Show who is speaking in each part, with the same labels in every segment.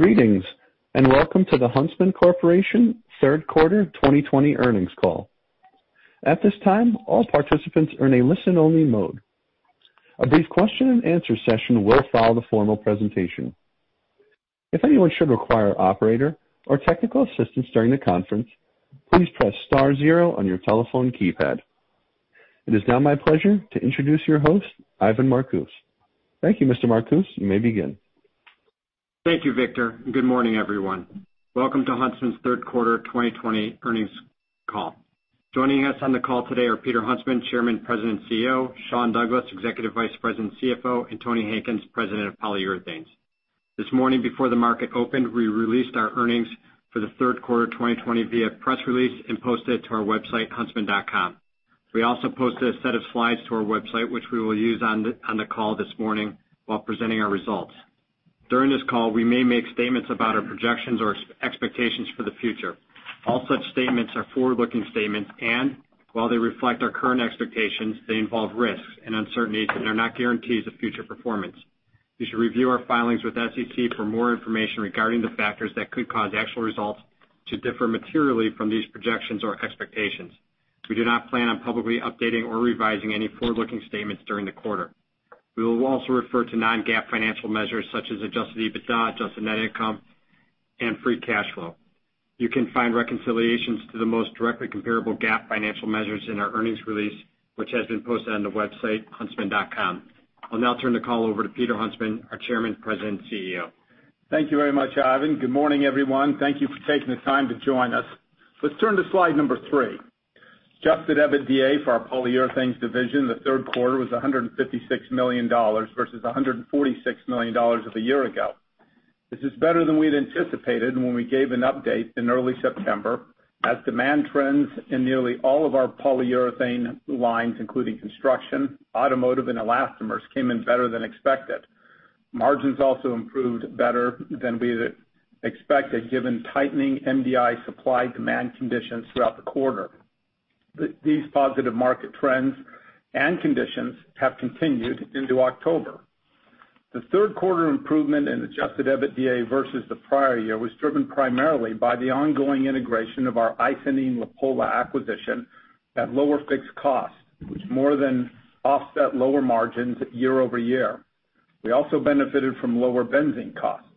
Speaker 1: Greetings. Welcome to the Huntsman Corporation third quarter 2020 earnings call. At this time, all participants are in a listen-only mode. A brief question and answer session will follow the formal presentation. It is now my pleasure to introduce your host, Ivan Marcuse. Thank you, Mr. Marcuse. You may begin.
Speaker 2: Thank you, Victor. Good morning, everyone. Welcome to Huntsman's third quarter 2020 earnings call. Joining us on the call today are Peter Huntsman, Chairman, President, and CEO, Sean Douglas, Executive Vice President, CFO, and Tony Hankins, President of Polyurethanes. This morning before the market opened, we released our earnings for the third quarter of 2020 via press release and posted it to our website, huntsman.com. We also posted a set of slides to our website, which we will use on the call this morning while presenting our results. During this call, we may make statements about our projections or expectations for the future. All such statements are forward-looking statements, and while they reflect our current expectations, they involve risks and uncertainties and are not guarantees of future performance. You should review our filings with SEC for more information regarding the factors that could cause actual results to differ materially from these projections or expectations. We do not plan on publicly updating or revising any forward-looking statements during the quarter. We will also refer to non-GAAP financial measures such as adjusted EBITDA, adjusted net income, and free cash flow. You can find reconciliations to the most directly comparable GAAP financial measures in our earnings release, which has been posted on the website, huntsman.com. I'll now turn the call over to Peter Huntsman, our Chairman, President, and CEO.
Speaker 3: Thank you very much, Ivan. Good morning, everyone. Thank you for taking the time to join us. Let's turn to slide number three. Adjusted EBITDA for our Polyurethanes division in the third quarter was $156 million versus $146 million of a year ago. This is better than we'd anticipated when we gave an update in early September as demand trends in nearly all of our polyurethane lines, including construction, automotive, and elastomers, came in better than expected. Margins also improved better than we had expected given tightening MDI supply-demand conditions throughout the quarter. These positive market trends and conditions have continued into October. The third quarter improvement in adjusted EBITDA versus the prior year was driven primarily by the ongoing integration of our Icynene-Lapolla acquisition at lower fixed costs, which more than offset lower margins year-over-year. We also benefited from lower benzene costs.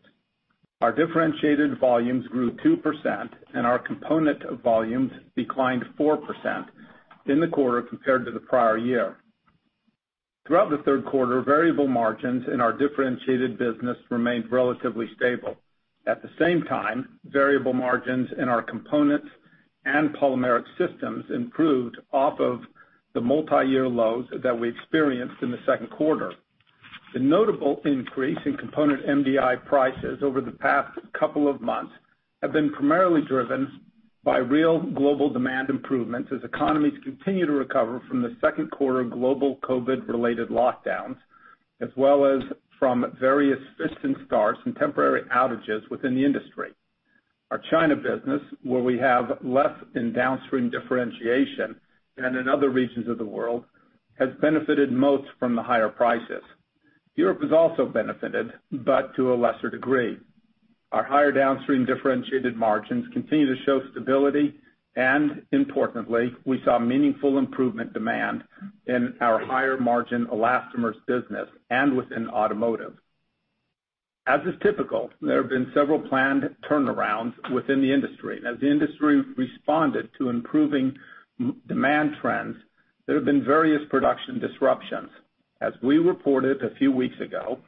Speaker 3: Our differentiated volumes grew 2% and our component volumes declined 4% in the quarter compared to the prior year. Throughout the third quarter, variable margins in our differentiated business remained relatively stable. At the same time, variable margins in our components and polymeric systems improved off of the multi-year lows that we experienced in the second quarter. The notable increase in component MDI prices over the past couple of months have been primarily driven by real global demand improvements as economies continue to recover from the second quarter global COVID-related lockdowns, as well as from various fits and starts and temporary outages within the industry. Our China business, where we have less in downstream differentiation than in other regions of the world, has benefited most from the higher prices. Europe has also benefited, but to a lesser degree. Our higher downstream differentiated margins continue to show stability. Importantly, we saw meaningful improvement demand in our higher margin elastomers business and within automotive. As is typical, there have been several planned turnarounds within the industry. As the industry responded to improving demand trends, there have been various production disruptions. As we reported a few weeks ago,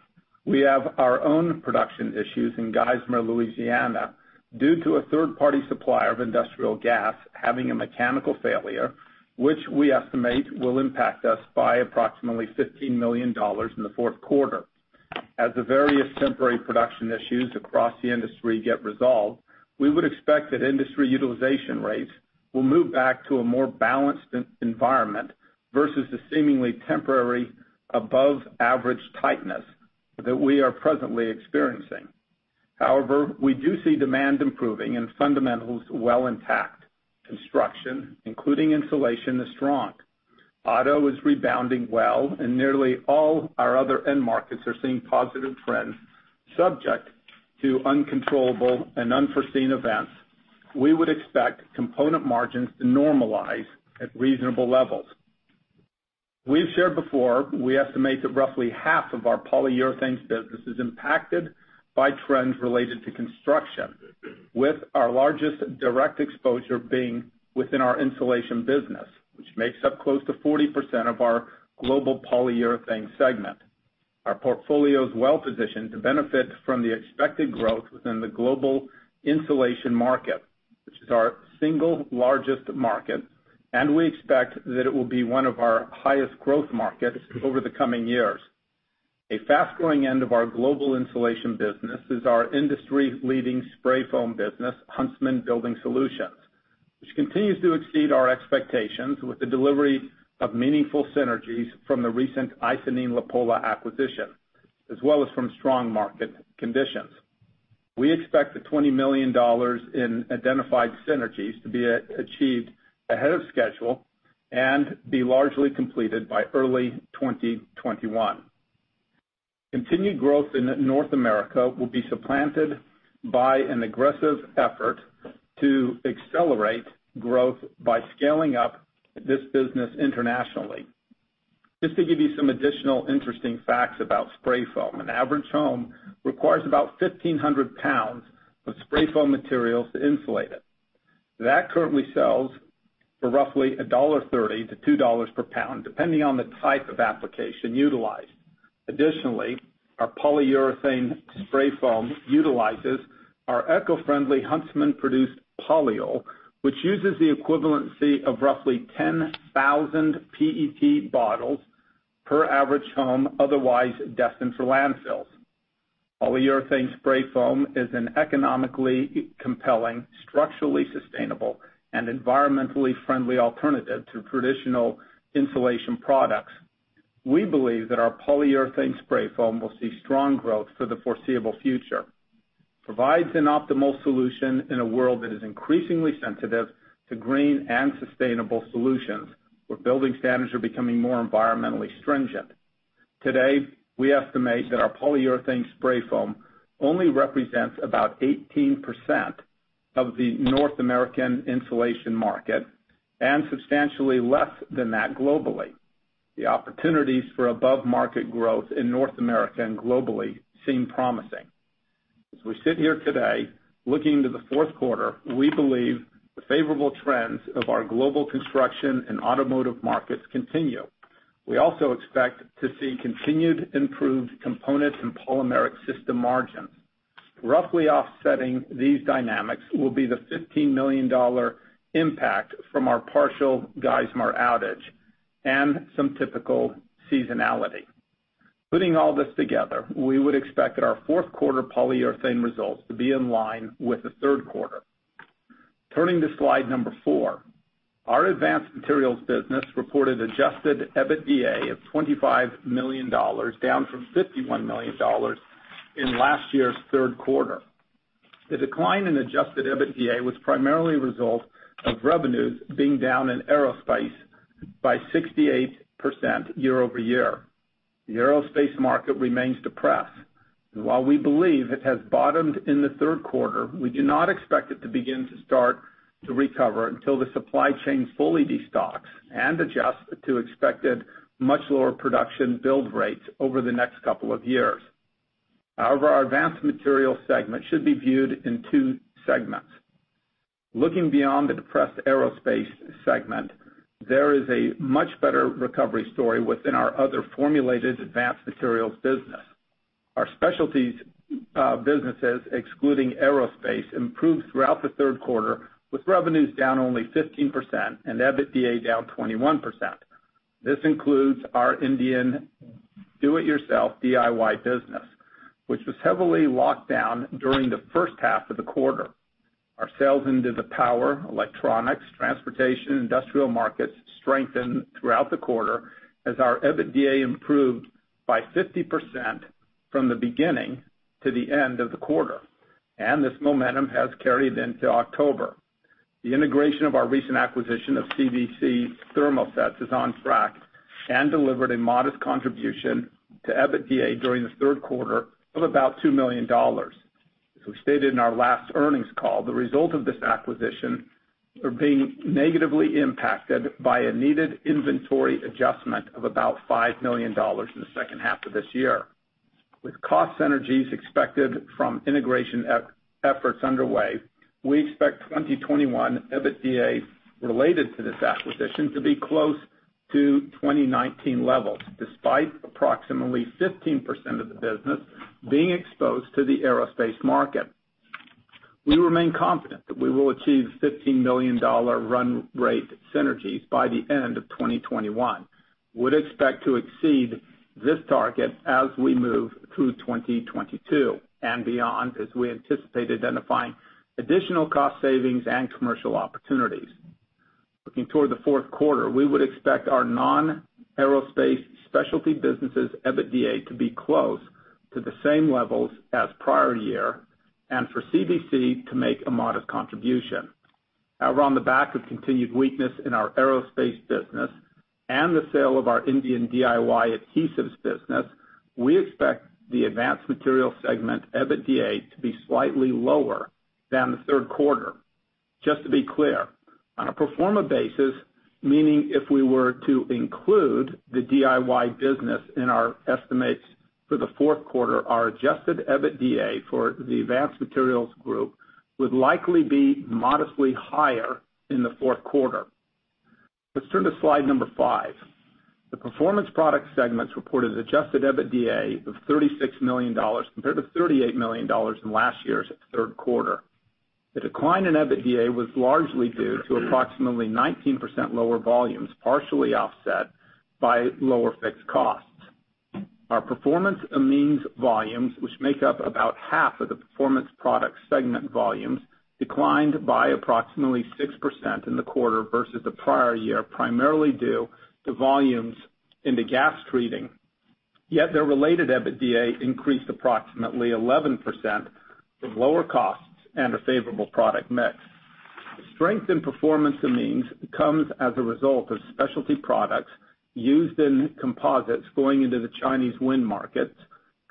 Speaker 3: we have our own production issues in Geismar, Louisiana, due to a third-party supplier of industrial gas having a mechanical failure, which we estimate will impact us by approximately $15 million in the fourth quarter. As the various temporary production issues across the industry get resolved, we would expect that industry utilization rates will move back to a more balanced environment versus the seemingly temporary above-average tightness that we are presently experiencing. However, we do see demand improving and fundamentals well intact. Construction, including insulation, is strong. Auto is rebounding well, and nearly all our other end markets are seeing positive trends. Subject to uncontrollable and unforeseen events, we would expect component margins to normalize at reasonable levels. We've shared before, we estimate that roughly half of our Polyurethanes business is impacted by trends related to construction, with our largest direct exposure being within our insulation business, which makes up close to 40% of our global Polyurethanes segment. Our portfolio is well positioned to benefit from the expected growth within the global insulation market, which is our single largest market, and we expect that it will be one of our highest growth markets over the coming years. A fast-growing end of our global insulation business is our industry-leading spray foam business, Huntsman Building Solutions, which continues to exceed our expectations with the delivery of meaningful synergies from the recent Icynene-Lapolla acquisition, as well as from strong market conditions. We expect the $20 million in identified synergies to be achieved ahead of schedule and be largely completed by early 2021. Continued growth in North America will be supplanted by an aggressive effort to accelerate growth by scaling up this business internationally. Just to give you some additional interesting facts about spray foam. An average home requires about 1,500 lbs of spray foam materials to insulate it. That currently sells for roughly $1.30-$2 per lbs, depending on the type of application utilized. Additionally, our polyurethane spray foam utilizes our eco-friendly Huntsman-produced polyol, which uses the equivalency of roughly 10,000 PET bottles per average home, otherwise destined for landfills. Polyurethane spray foam is an economically compelling, structurally sustainable, and environmentally friendly alternative to traditional insulation products. We believe that our polyurethane spray foam will see strong growth for the foreseeable future, provides an optimal solution in a world that is increasingly sensitive to green and sustainable solutions, where building standards are becoming more environmentally stringent. Today, we estimate that our polyurethane spray foam only represents about 18% of the North American insulation market and substantially less than that globally. The opportunities for above-market growth in North America and globally seem promising. As we sit here today, looking into the fourth quarter, we believe the favorable trends of our global construction and automotive markets continue. We also expect to see continued improved components and polymeric system margins. Roughly offsetting these dynamics will be the $15 million impact from our partial Geismar outage and some typical seasonality. Putting all this together, we would expect that our fourth quarter Polyurethanes results to be in line with the third quarter. Turning to slide number four. Our Advanced Materials business reported adjusted EBITDA of $25 million, down from $51 million in last year's third quarter. The decline in adjusted EBITDA was primarily a result of revenues being down in aerospace by 68% year-over-year. The aerospace market remains depressed, and while we believe it has bottomed in the third quarter, we do not expect it to start to recover until the supply chain fully destocks and adjusts to expected much lower production build rates over the next couple of years. However, our Advanced Materials segment should be viewed in two segments. Looking beyond the depressed aerospace segment, there is a much better recovery story within our other formulated Advanced Materials business. Our specialties businesses, excluding aerospace, improved throughout the third quarter, with revenues down only 15% and EBITDA down 21%. This includes our Indian do-it-yourself DIY business, which was heavily locked down during the first half of the quarter. Our sales into the power, electronics, transportation, industrial markets strengthened throughout the quarter as our EBITDA improved by 50% from the beginning to the end of the quarter. This momentum has carried into October. The integration of our recent acquisition of CVC Thermoset is on track and delivered a modest contribution to EBITDA during the third quarter of about $2 million. As we stated in our last earnings call, the result of this acquisition are being negatively impacted by a needed inventory adjustment of about $5 million in the second half of this year. With cost synergies expected from integration efforts underway, we expect 2021 EBITDA related to this acquisition to be close to 2019 levels, despite approximately 15% of the business being exposed to the aerospace market. We remain confident that we will achieve $15 million run rate synergies by the end of 2021. We'd expect to exceed this target as we move through 2022 and beyond, as we anticipate identifying additional cost savings and commercial opportunities. Looking toward the fourth quarter, we would expect our non-aerospace specialty businesses' EBITDA to be close to the same levels as prior year, and for CVC to make a modest contribution. However, on the back of continued weakness in our aerospace business and the sale of our Indian DIY adhesives business, we expect the Advanced Materials segment EBITDA to be slightly lower than the third quarter. Just to be clear, on a pro forma basis, meaning if we were to include the DIY business in our estimates for the fourth quarter, our adjusted EBITDA for the Advanced Materials group would likely be modestly higher in the fourth quarter. Let's turn to slide number five. The Performance Products segments reported adjusted EBITDA of $36 million compared to $38 million in last year's third quarter. The decline in EBITDA was largely due to approximately 19% lower volumes, partially offset by lower fixed costs. Our Performance Amines volumes, which make up about half of the Performance Products segment volumes, declined by approximately 6% in the quarter versus the prior year, primarily due to volumes in the gas treating, yet their related EBITDA increased approximately 11% from lower costs and a favorable product mix. Strength in Performance Amines comes as a result of specialty products used in composites going into the Chinese wind markets,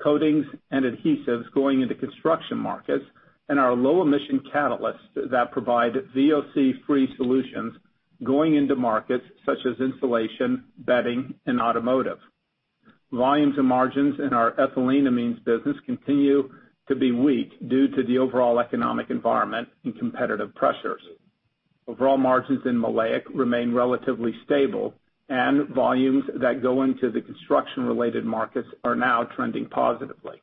Speaker 3: coatings and adhesives going into construction markets, and our VOC-free catalysts that provide VOC-free solutions going into markets such as insulation, bedding, and automotive. Volumes and margins in our ethyleneamines business continue to be weak due to the overall economic environment and competitive pressures. Overall margins in maleic remain relatively stable, and volumes that go into the construction-related markets are now trending positively.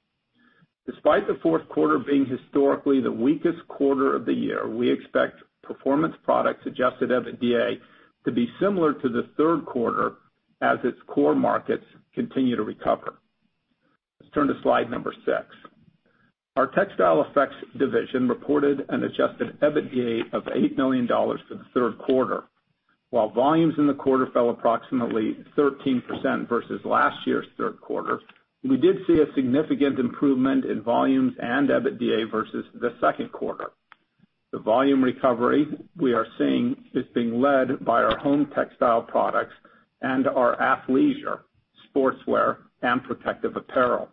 Speaker 3: Despite the fourth quarter being historically the weakest quarter of the year, we expect Performance Products adjusted EBITDA to be similar to the third quarter as its core markets continue to recover. Let's turn to slide number six. Our Textile Effects division reported an adjusted EBITDA of $8 million for the third quarter. While volumes in the quarter fell approximately 13% versus last year's third quarter, we did see a significant improvement in volumes and EBITDA versus the second quarter. The volume recovery we are seeing is being led by our home textile products and our athleisure, sportswear, and protective apparel.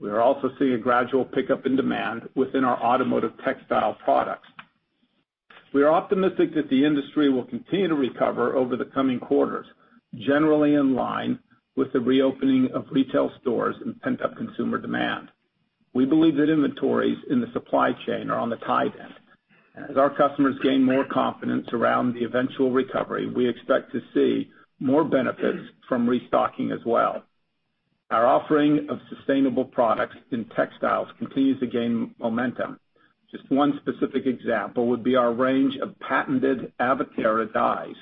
Speaker 3: We are also seeing a gradual pickup in demand within our automotive textile products. We are optimistic that the industry will continue to recover over the coming quarters, generally in line with the reopening of retail stores and pent-up consumer demand. We believe that inventories in the supply chain are on the tight end. As our customers gain more confidence around the eventual recovery, we expect to see more benefits from restocking as well. Our offering of sustainable products in Textile Effects continues to gain momentum. Just one specific example would be our range of patented AVITERA® dyes,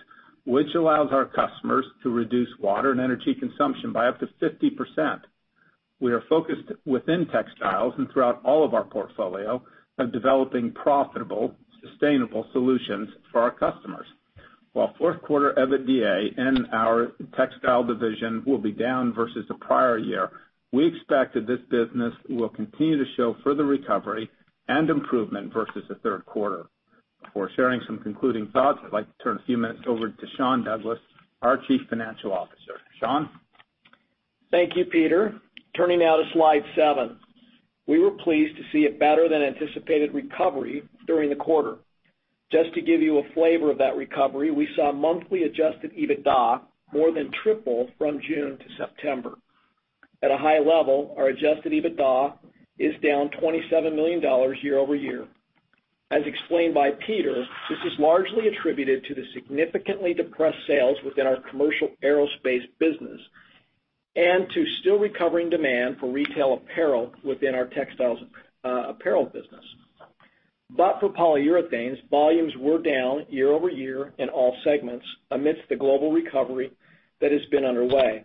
Speaker 3: which allows our customers to reduce water and energy consumption by up to 50%. We are focused within Textile Effects and throughout all of our portfolio on developing profitable, sustainable solutions for our customers. While fourth quarter EBITDA in our Textile Effects division will be down versus the prior year, we expect that this business will continue to show further recovery and improvement versus the third quarter. Before sharing some concluding thoughts, I'd like to turn a few minutes over to Sean Douglas, our Chief Financial Officer. Sean?
Speaker 4: Thank you, Peter. Turning now to slide seven. We were pleased to see a better-than-anticipated recovery during the quarter. Just to give you a flavor of that recovery, we saw monthly adjusted EBITDA more than triple from June to September. At a high level, our adjusted EBITDA is down $27 million year-over-year. As explained by Peter, this is largely attributed to the significantly depressed sales within our commercial aerospace business and to still recovering demand for retail apparel within our textiles apparel business. For Polyurethanes, volumes were down year-over-year in all segments amidst the global recovery that has been underway.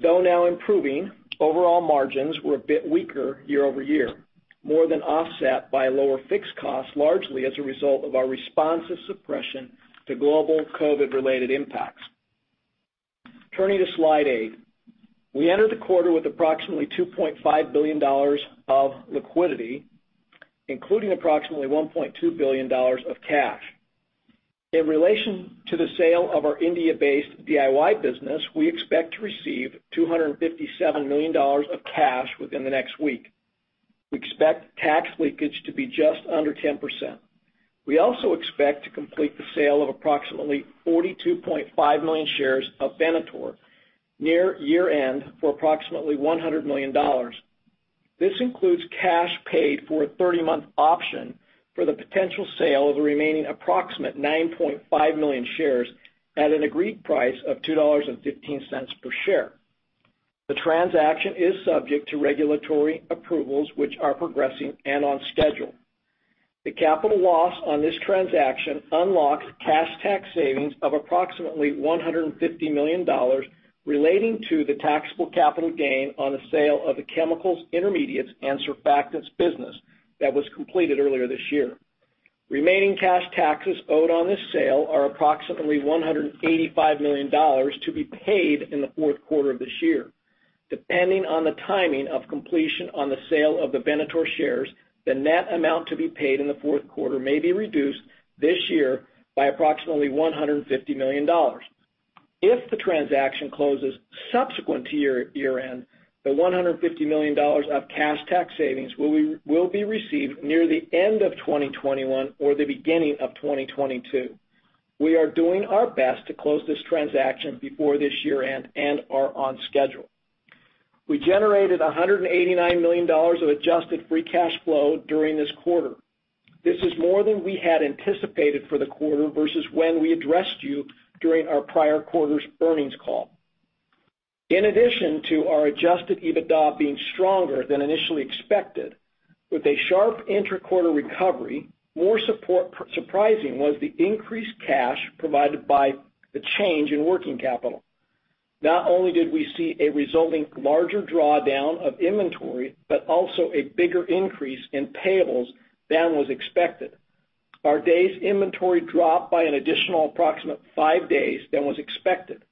Speaker 4: Though now improving, overall margins were a bit weaker year-over-year, more than offset by lower fixed costs, largely as a result of our responsive suppression to global COVID-related impacts. Turning to slide eight. We entered the quarter with approximately $2.5 billion of liquidity, including approximately $1.2 billion of cash. In relation to the sale of our India-based DIY business, we expect to receive $257 million of cash within the next week. We expect tax leakage to be just under 10%. We also expect to complete the sale of approximately 42.5 million shares of Venator near year-end for approximately $100 million. This includes cash paid for a 30-month option for the potential sale of the remaining approximate 9.5 million shares at an agreed price of $2.15 per share. The transaction is subject to regulatory approvals, which are progressing and on schedule. The capital loss on this transaction unlocks cash tax savings of approximately $150 million relating to the taxable capital gain on the sale of the chemicals, intermediates, and surfactants business that was completed earlier this year. Remaining cash taxes owed on this sale are approximately $185 million to be paid in the fourth quarter of this year. Depending on the timing of completion on the sale of the Venator shares, the net amount to be paid in the fourth quarter may be reduced this year by approximately $150 million. If the transaction closes subsequent to year-end, the $150 million of cash tax savings will be received near the end of 2021 or the beginning of 2022. We are doing our best to close this transaction before this year-end and are on schedule. We generated $189 million of adjusted free cash flow during this quarter. This is more than we had anticipated for the quarter versus when we addressed you during our prior quarter's earnings call. In addition to our adjusted EBITDA being stronger than initially expected, with a sharp inter-quarter recovery, more surprising was the increased cash provided by the change in working capital. Not only did we see a resulting larger drawdown of inventory, but also a bigger increase in payables than was expected. Our days inventory dropped by an additional approximate five days than was expected,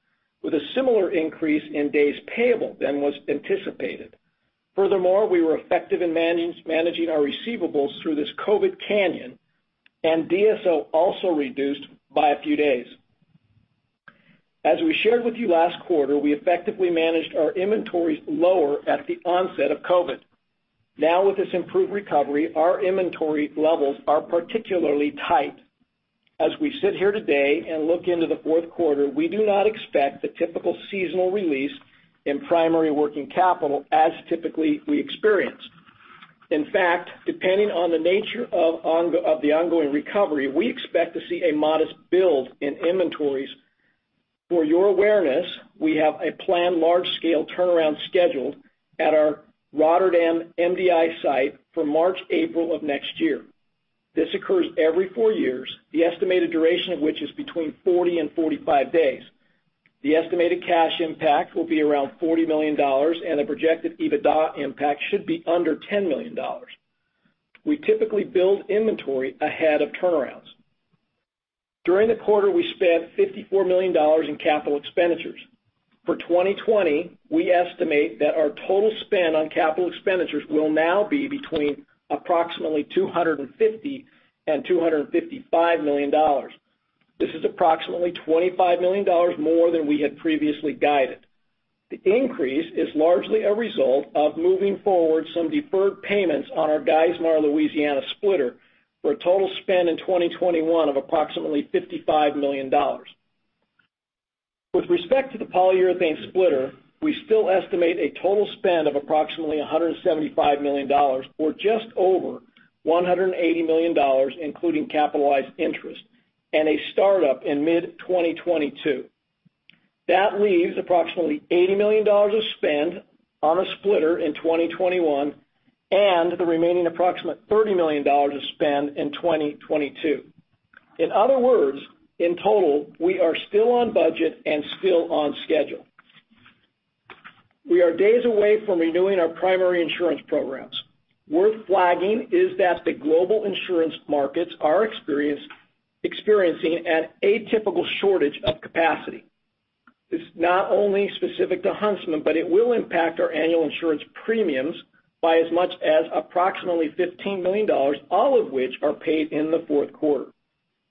Speaker 4: with a similar increase in days payable than was anticipated. Furthermore, we were effective in managing our receivables through this COVID canyon, and DSO also reduced by a few days. As we shared with you last quarter, we effectively managed our inventories lower at the onset of COVID. Now, with this improved recovery, our inventory levels are particularly tight. As we sit here today and look into the fourth quarter, we do not expect the typical seasonal release in primary working capital as typically we experience. In fact, depending on the nature of the ongoing recovery, we expect to see a modest build in inventories. For your awareness, we have a planned large-scale turnaround scheduled at our Rotterdam MDI site for March, April of next year. This occurs every four years, the estimated duration of which is between 40 and 45 days. The estimated cash impact will be around $40 million, and the projected EBITDA impact should be under $10 million. We typically build inventory ahead of turnarounds. During the quarter, we spent $54 million in capital expenditures. For 2020, we estimate that our total spend on capital expenditures will now be between approximately $250 million and $255 million. This is approximately $25 million more than we had previously guided. The increase is largely a result of moving forward some deferred payments on our Geismar, Louisiana splitter for a total spend in 2021 of approximately $55 million. With respect to the polyurethane splitter, we still estimate a total spend of approximately $175 million or just over $180 million, including capitalized interest, and a startup in mid-2022. That leaves approximately $80 million of spend on a splitter in 2021 and the remaining approximate $30 million of spend in 2022. In other words, in total, we are still on budget and still on schedule. We are days away from renewing our primary insurance programs. Worth flagging is that the global insurance markets are experiencing an atypical shortage of capacity. It's not only specific to Huntsman, but it will impact our annual insurance premiums by as much as approximately $15 million, all of which are paid in the fourth quarter.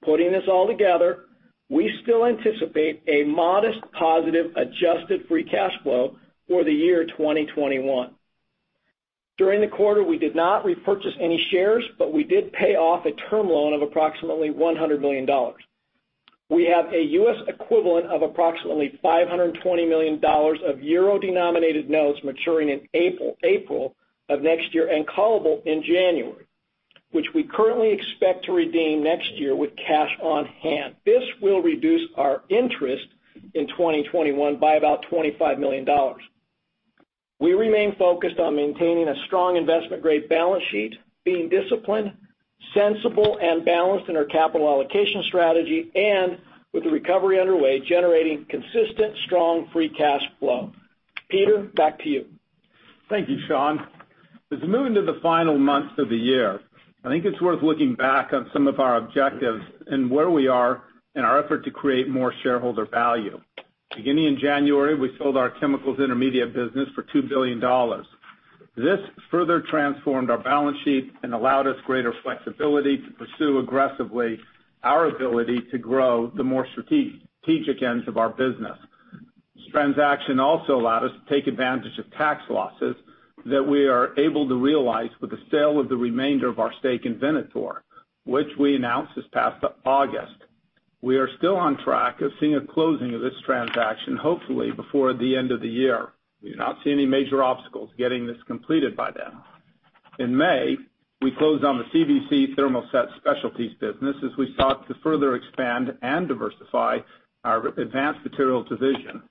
Speaker 4: Putting this all together, we still anticipate a modest positive adjusted free cash flow for the year 2021. During the quarter, we did not repurchase any shares, but we did pay off a term loan of approximately $100 million. We have a U.S. equivalent of approximately $520 million of euro-denominated notes maturing in April of next year and callable in January, which we currently expect to redeem next year with cash on hand. This will reduce our interest in 2021 by about $25 million. We remain focused on maintaining a strong investment-grade balance sheet, being disciplined, sensible, and balanced in our capital allocation strategy, and with the recovery underway, generating consistent, strong free cash flow. Peter, back to you.
Speaker 3: Thank you, Sean. As we move into the final months of the year, I think it's worth looking back on some of our objectives and where we are in our effort to create more shareholder value. Beginning in January, we sold our chemicals intermediate business for $2 billion. This further transformed our balance sheet and allowed us greater flexibility to pursue aggressively our ability to grow the more strategic ends of our business. This transaction also allowed us to take advantage of tax losses that we are able to realize with the sale of the remainder of our stake in Venator, which we announced this past August. We are still on track of seeing a closing of this transaction, hopefully before the end of the year. We do not see any major obstacles getting this completed by then. In May, we closed on the CVC Thermoset Specialties business as we sought to further expand and diversify our Advanced Materials division.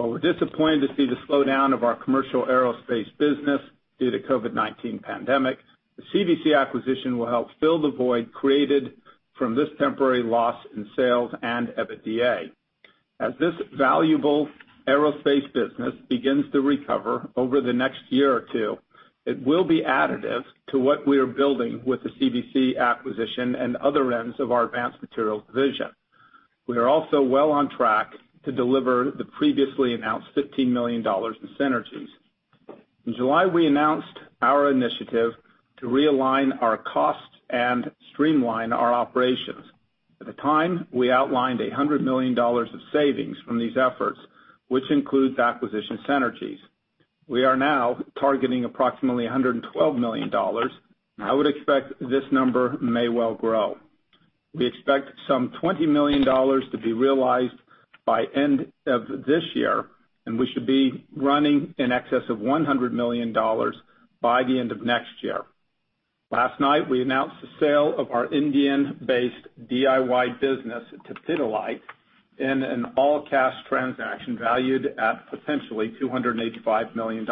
Speaker 3: While we're disappointed to see the slowdown of our commercial aerospace business due to COVID-19 pandemic, the CVC acquisition will help fill the void created from this temporary loss in sales and EBITDA. As this valuable aerospace business begins to recover over the next year or two, it will be additive to what we are building with the CVC acquisition and other ends of our Advanced Materials division. We are also well on track to deliver the previously announced $15 million in synergies. In July, we announced our initiative to realign our costs and streamline our operations. At the time, we outlined $100 million of savings from these efforts, which includes acquisition synergies. We are now targeting approximately $112 million. I would expect this number may well grow. We expect some $20 million to be realized by end of this year. We should be running in excess of $100 million by the end of next year. Last night, we announced the sale of our Indian-based DIY business to Pidilite in an all-cash transaction valued at potentially $285 million.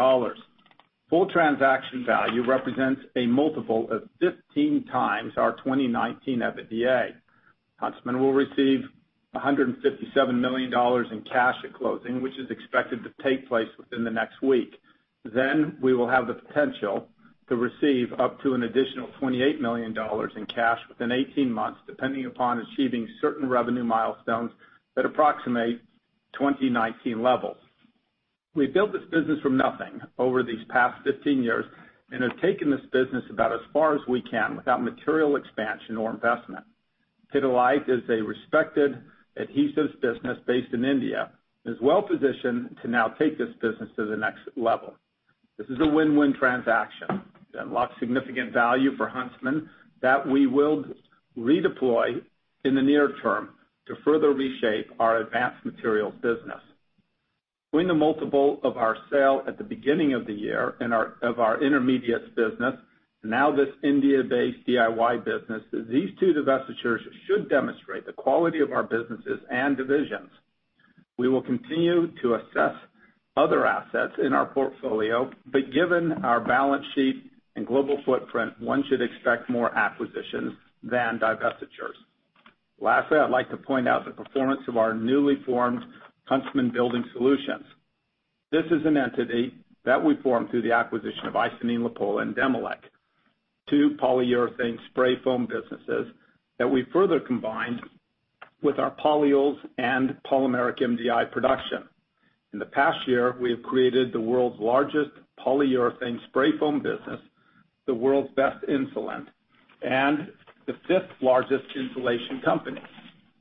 Speaker 3: Full transaction value represents a multiple of 15x our 2019 EBITDA. Huntsman will receive $157 million in cash at closing, which is expected to take place within the next week. We will have the potential to receive up to an additional $28 million in cash within 18 months, depending upon achieving certain revenue milestones at approximate 2019 levels. We built this business from nothing over these past 15 years and have taken this business about as far as we can without material expansion or investment. Pidilite is a respected adhesives business based in India, and is well-positioned to now take this business to the next level. This is a win-win transaction that unlocks significant value for Huntsman that we will redeploy in the near term to further reshape our Advanced Materials business. Between the multiple of our sale at the beginning of the year of our intermediates business, and now this India-based DIY business, these two divestitures should demonstrate the quality of our businesses and divisions. We will continue to assess other assets in our portfolio, but given our balance sheet and global footprint, one should expect more acquisitions than divestitures. Lastly, I'd like to point out the performance of our newly formed Huntsman Building Solutions. This is an entity that we formed through the acquisition of Icynene-Lapolla and Demilec, two polyurethane spray foam businesses that we further combined with our polyols and polymeric MDI production. In the past year, we have created the world's largest polyurethane spray foam business, the world's best insulation, and the fifth largest insulation company.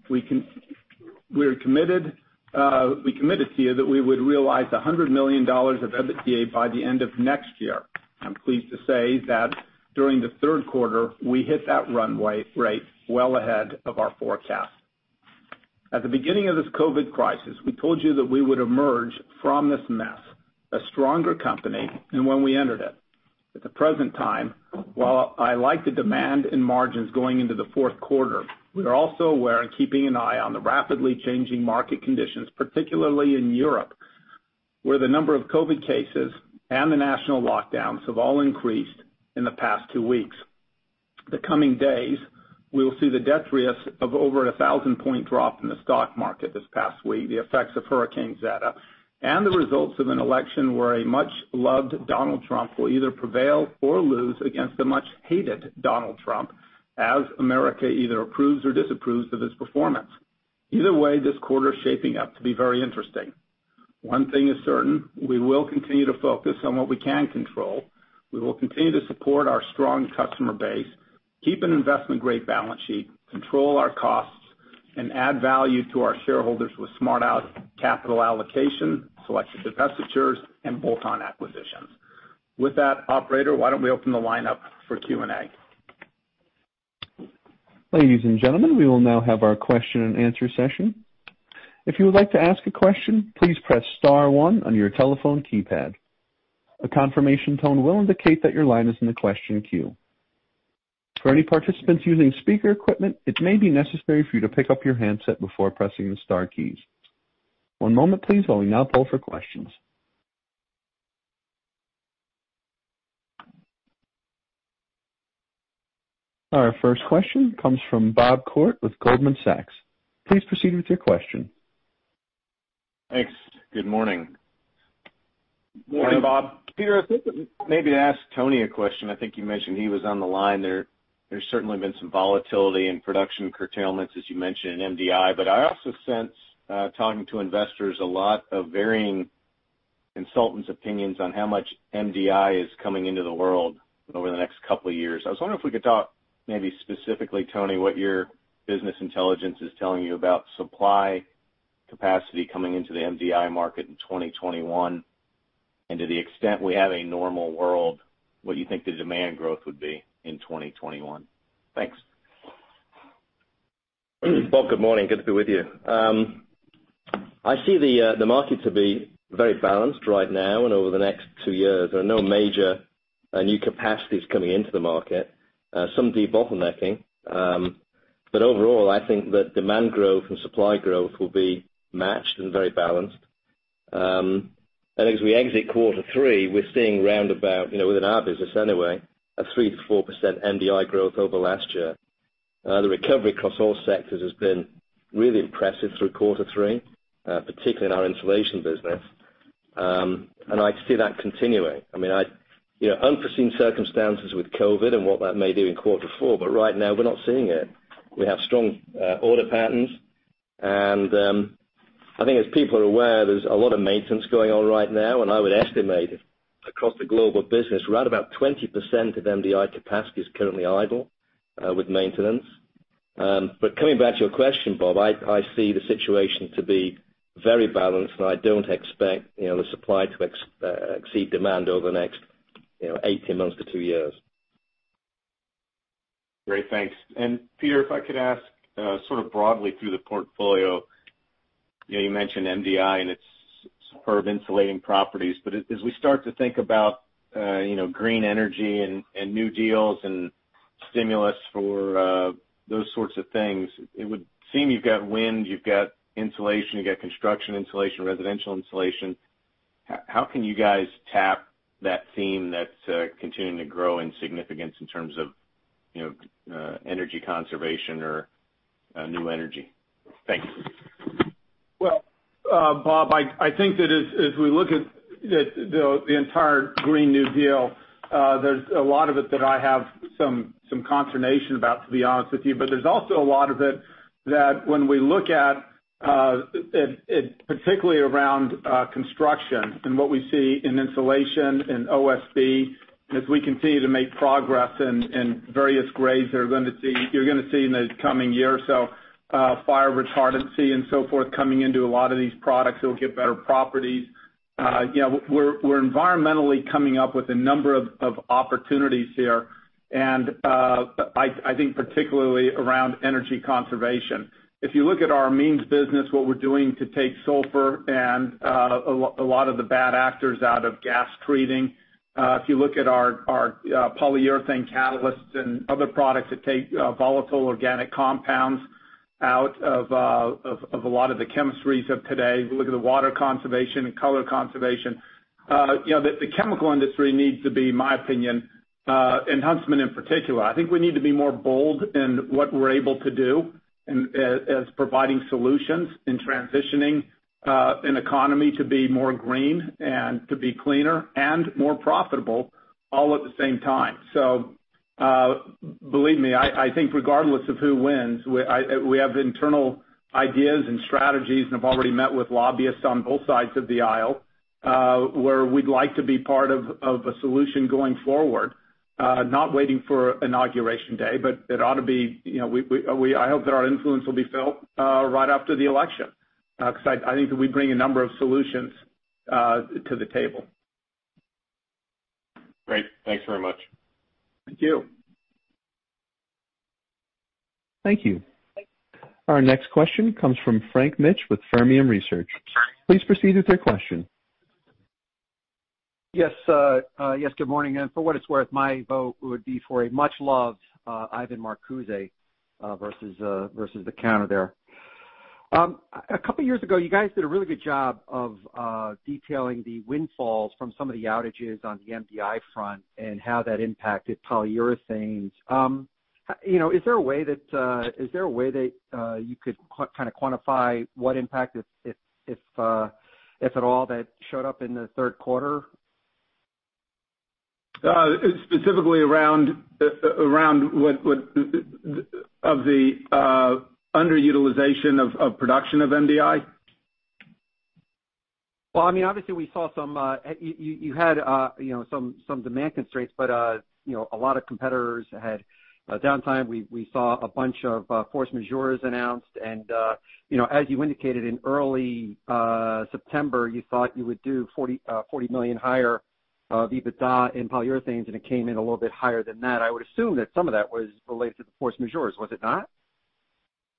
Speaker 3: We committed to you that we would realize $100 million of EBITDA by the end of next year. I'm pleased to say that during the third quarter, we hit that runway rate well ahead of our forecast. At the beginning of this COVID crisis, we told you that we would emerge from this mess a stronger company than when we entered it. At the present time, while I like the demand in margins going into the fourth quarter, we are also aware and keeping an eye on the rapidly changing market conditions, particularly in Europe, where the number of COVID cases and the national lockdowns have all increased in the past two weeks. The coming days, we will see the debris of over 1,000-point drop in the stock market this past week, the effects of Hurricane Zeta, and the results of an election where a much-loved Donald Trump will either prevail or lose against a much-hated Donald Trump, as America either approves or disapproves of his performance. Either way, this quarter is shaping up to be very interesting. One thing is certain. We will continue to focus on what we can control. We will continue to support our strong customer base, keep an investment-grade balance sheet, control our costs, and add value to our shareholders with smart capital allocation, selective divestitures, and bolt-on acquisitions. With that, operator, why don't we open the lineup for Q&A?
Speaker 1: Ladies and gentlemen, we will now have our question and answer session. Our first question comes from Bob Koort with Goldman Sachs. Please proceed with your question.
Speaker 5: Thanks. Good morning.
Speaker 3: Morning, Bob.
Speaker 5: Peter, I was hoping maybe to ask Tony a question. I think you mentioned he was on the line there. There's certainly been some volatility in production curtailments, as you mentioned, in MDI. I also sense, talking to investors, a lot of varying consultants' opinions on how much MDI is coming into the world over the next couple of years. I was wondering if we could talk maybe specifically, Tony, what your business intelligence is telling you about supply capacity coming into the MDI market in 2021. To the extent we have a normal world, what you think the demand growth would be in 2021. Thanks.
Speaker 6: Bob, good morning. Good to be with you. I see the market to be very balanced right now and over the next two years. There are no major new capacities coming into the market. Some debottlenecking. Overall, I think that demand growth and supply growth will be matched and very balanced. I think as we exit quarter three, we're seeing roundabout, within our business anyway, a 3%-4% MDI growth over last year. The recovery across all sectors has been really impressive through quarter three, particularly in our insulation business. I see that continuing. Unforeseen circumstances with COVID and what that may do in quarter four, but right now we're not seeing it. We have strong order patterns, and I think as people are aware, there's a lot of maintenance going on right now, and I would estimate across the global business, right about 20% of MDI capacity is currently idle with maintenance. But coming back to your question, Bob, I see the situation to be very balanced and I don't expect the supply to exceed demand over the next 18 months to two years.
Speaker 5: Great, thanks. Peter, if I could ask sort of broadly through the portfolio. You mentioned MDI and its superb insulating properties, but as we start to think about green energy and new deals and stimulus for those sorts of things, it would seem you've got wind, you've got insulation, you've got construction insulation, residential insulation. How can you guys tap that theme that's continuing to grow in significance in terms of energy conservation or new energy? Thanks.
Speaker 3: Well, Bob, I think that as we look at the entire Green New Deal, there's a lot of it that I have some consternation about, to be honest with you. There's also a lot of it that when we look at, particularly around construction and what we see in insulation and OSB, and as we continue to make progress in various grades, you're going to see in the coming year or so, fire retardancy and so forth coming into a lot of these products. It'll get better properties. We're environmentally coming up with a number of opportunities here, and I think particularly around energy conservation. If you look at our amines business, what we're doing to take sulfur and a lot of the bad actors out of gas treating. If you look at our polyurethane catalysts and other products that take volatile organic compounds out of a lot of the chemistries of today, we look at the water conservation and color conservation. The chemical industry needs to be, in my opinion, and Huntsman in particular, I think we need to be more bold in what we're able to do as providing solutions in transitioning an economy to be more green and to be cleaner and more profitable all at the same time. Believe me, I think regardless of who wins, we have internal ideas and strategies and have already met with lobbyists on both sides of the aisle, where we'd like to be part of a solution going forward, not waiting for Inauguration Day, but I hope that our influence will be felt right after the election, because I think that we bring a number of solutions to the table.
Speaker 5: Great. Thanks very much.
Speaker 3: Thank you.
Speaker 1: Thank you. Our next question comes from Frank Mitsch with Fermium Research. Please proceed with your question.
Speaker 7: Yes. Good morning. For what it's worth, my vote would be for a much-loved Ivan Marcuse versus the counter there. A couple of years ago, you guys did a really good job of detailing the windfalls from some of the outages on the MDI front and how that impacted polyurethanes. Is there a way that you could kind of quantify what impact, if at all, that showed up in the third quarter?
Speaker 3: Specifically around of the underutilization of production of MDI?
Speaker 7: Well, obviously you had some demand constraints, but a lot of competitors had downtime. We saw a bunch of force majeures announced. As you indicated in early September, you thought you would do $40 million higher of EBITDA in polyurethanes, and it came in a little bit higher than that. I would assume that some of that was related to the force majeures, was it not?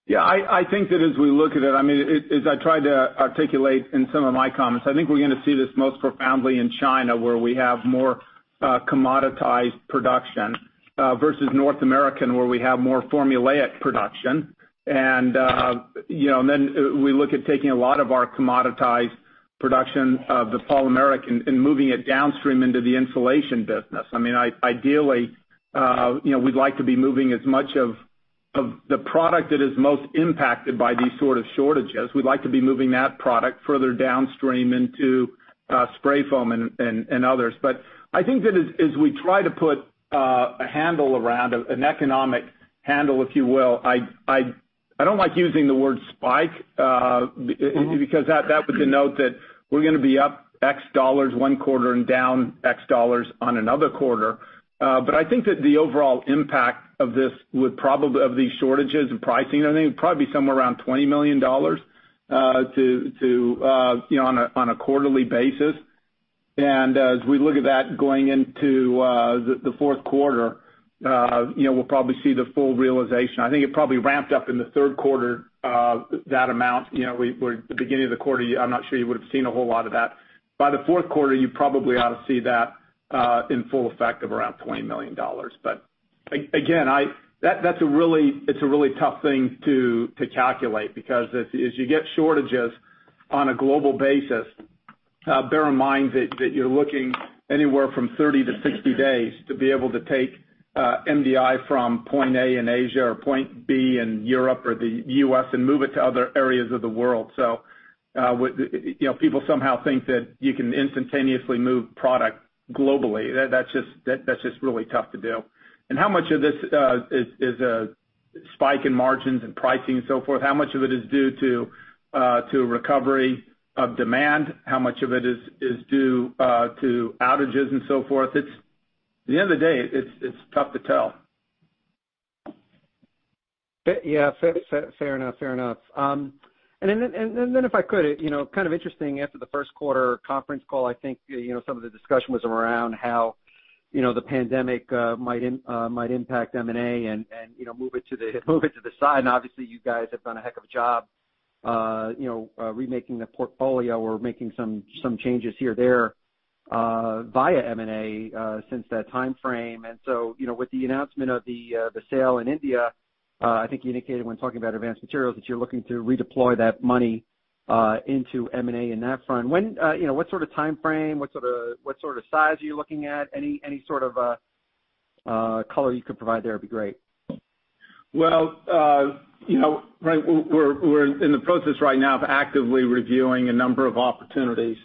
Speaker 3: Yeah, I think that as we look at it, as I tried to articulate in some of my comments, I think we're going to see this most profoundly in China, where we have more commoditized production, versus North American, where we have more formulaic production. We look at taking a lot of our commoditized production of the polymeric and moving it downstream into the insulation business. Ideally, we'd like to be moving as much of the product that is most impacted by these sort of shortages. We'd like to be moving that product further downstream into spray foam and others. I think that as we try to put a handle around, an economic handle, if you will, I don't like using the word spike, because that would denote that we're going to be up X dollars one quarter and down X dollars on another quarter. I think that the overall impact of these shortages and pricing, I think, would probably be somewhere around $20 million on a quarterly basis. As we look at that going into the fourth quarter, we'll probably see the full realization. I think it probably ramped up in the third quarter, that amount. The beginning of the quarter, I'm not sure you would've seen a whole lot of that. By the fourth quarter, you probably ought to see that in full effect of around $20 million. Again, it's a really tough thing to calculate because as you get shortages on a global basis, bear in mind that you're looking anywhere from 30-60 days to be able to take MDI from point A in Asia or point B in Europe or the U.S. and move it to other areas of the world. People somehow think that you can instantaneously move product globally. That's just really tough to do. How much of this is a spike in margins and pricing and so forth? How much of it is due to recovery of demand? How much of it is due to outages and so forth? At the end of the day, it's tough to tell.
Speaker 7: Yeah. Fair enough. If I could, kind of interesting, after the first quarter conference call, I think some of the discussion was around how the pandemic might impact M&A and move it to the side. Obviously you guys have done a heck of a job remaking the portfolio or making some changes here or there via M&A since that timeframe. With the announcement of the sale in India, I think you indicated when talking about Advanced Materials that you're looking to redeploy that money into M&A in that front. What sort of timeframe? What sort of size are you looking at? Any sort of color you could provide there would be great.
Speaker 3: Well, we're in the process right now of actively reviewing a number of opportunities.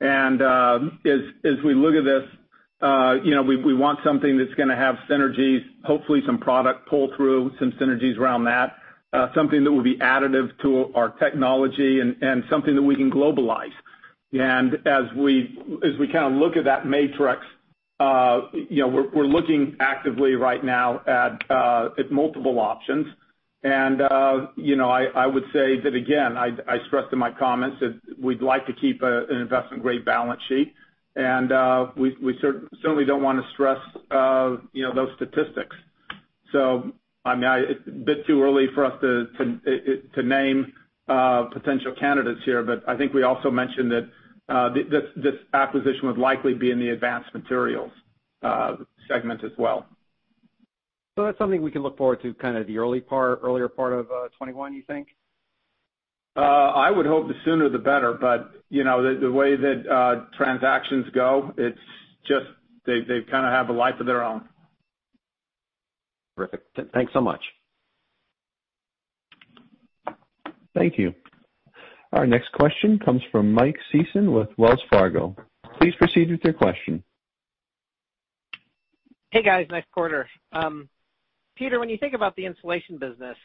Speaker 3: As we look at this, we want something that's going to have synergies, hopefully some product pull-through, some synergies around that. Something that will be additive to our technology and something that we can globalize. As we kind of look at that matrix, we're looking actively right now at multiple options. I would say that, again, I stressed in my comments that we'd like to keep an investment-grade balance sheet, and we certainly don't want to stress those statistics. It's a bit too early for us to name potential candidates here. I think we also mentioned that this acquisition would likely be in the Advanced Materials segment as well.
Speaker 7: That's something we can look forward to kind of the earlier part of 2021, you think?
Speaker 3: I would hope the sooner the better, but the way that transactions go, they kind of have a life of their own.
Speaker 7: Perfect. Thanks so much.
Speaker 1: Thank you. Our next question comes from Mike Sison with Wells Fargo. Please proceed with your question.
Speaker 8: Hey, guys. Nice quarter. Peter, when you think about the insulation business,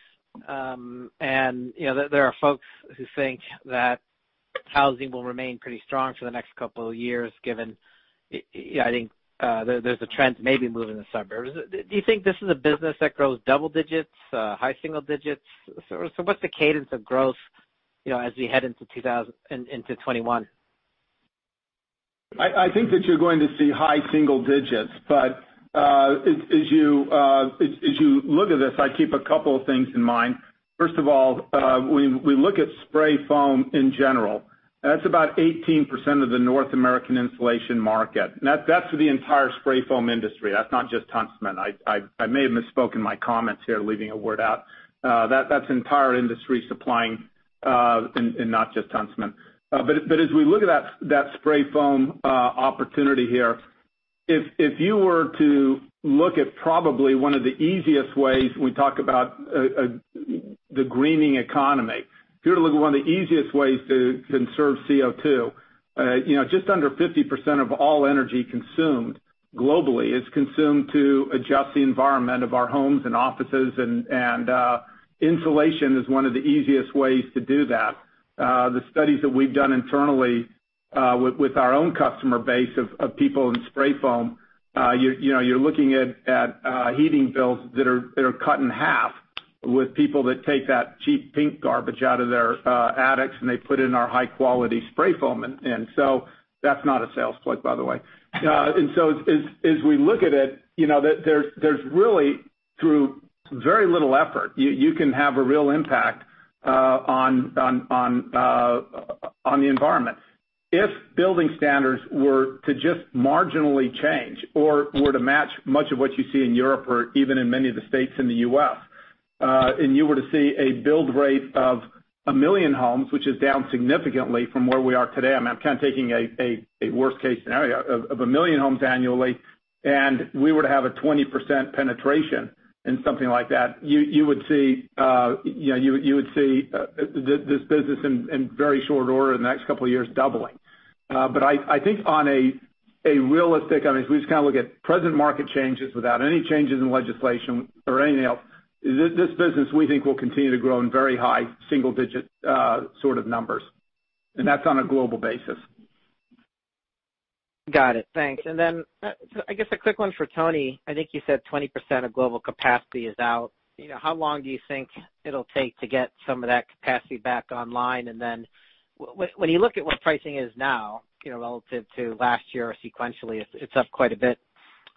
Speaker 8: there are folks who think that housing will remain pretty strong for the next couple of years, given, I think there's a trend to maybe move in the suburbs. Do you think this is a business that grows double digits, high single digits? What's the cadence of growth as we head into 2021?
Speaker 3: I think that you're going to see high single digits, but as you look at this, I keep a couple of things in mind. First of all, we look at spray foam in general. That's about 18% of the North American insulation market. That's for the entire spray foam industry. That's not just Huntsman. I may have misspoke in my comments here, leaving a word out. That's entire industry supplying and not just Huntsman. As we look at that spray foam opportunity here, if you were to look at probably one of the easiest ways, we talk about the greening economy. If you were to look at one of the easiest ways to conserve CO2, just under 50% of all energy consumed globally is consumed to adjust the environment of our homes and offices, and insulation is one of the easiest ways to do that. The studies that we've done internally with our own customer base of people in spray foam, you're looking at heating bills that are cut in half with people that take that cheap pink garbage out of their attics, and they put in our high-quality spray foam. That's not a sales plug, by the way. As we look at it, there's really through very little effort, you can have a real impact on the environment. If building standards were to just marginally change or were to match much of what you see in Europe or even in many of the states in the U.S., and you were to see a build rate of 1 million homes, which is down significantly from where we are today, I'm kind of taking a worst case scenario of 1 million homes annually, and we were to have a 20% penetration in something like that, you would see this business in very short order in the next couple of years doubling. I think on a realistic, I mean, if we just kind of look at present market changes without any changes in legislation or anything else, this business, we think, will continue to grow in very high single-digit sort of numbers, and that's on a global basis.
Speaker 8: Got it. Thanks. I guess a quick one for Tony. I think you said 20% of global capacity is out. How long do you think it'll take to get some of that capacity back online? When you look at what pricing is now relative to last year or sequentially, it's up quite a bit.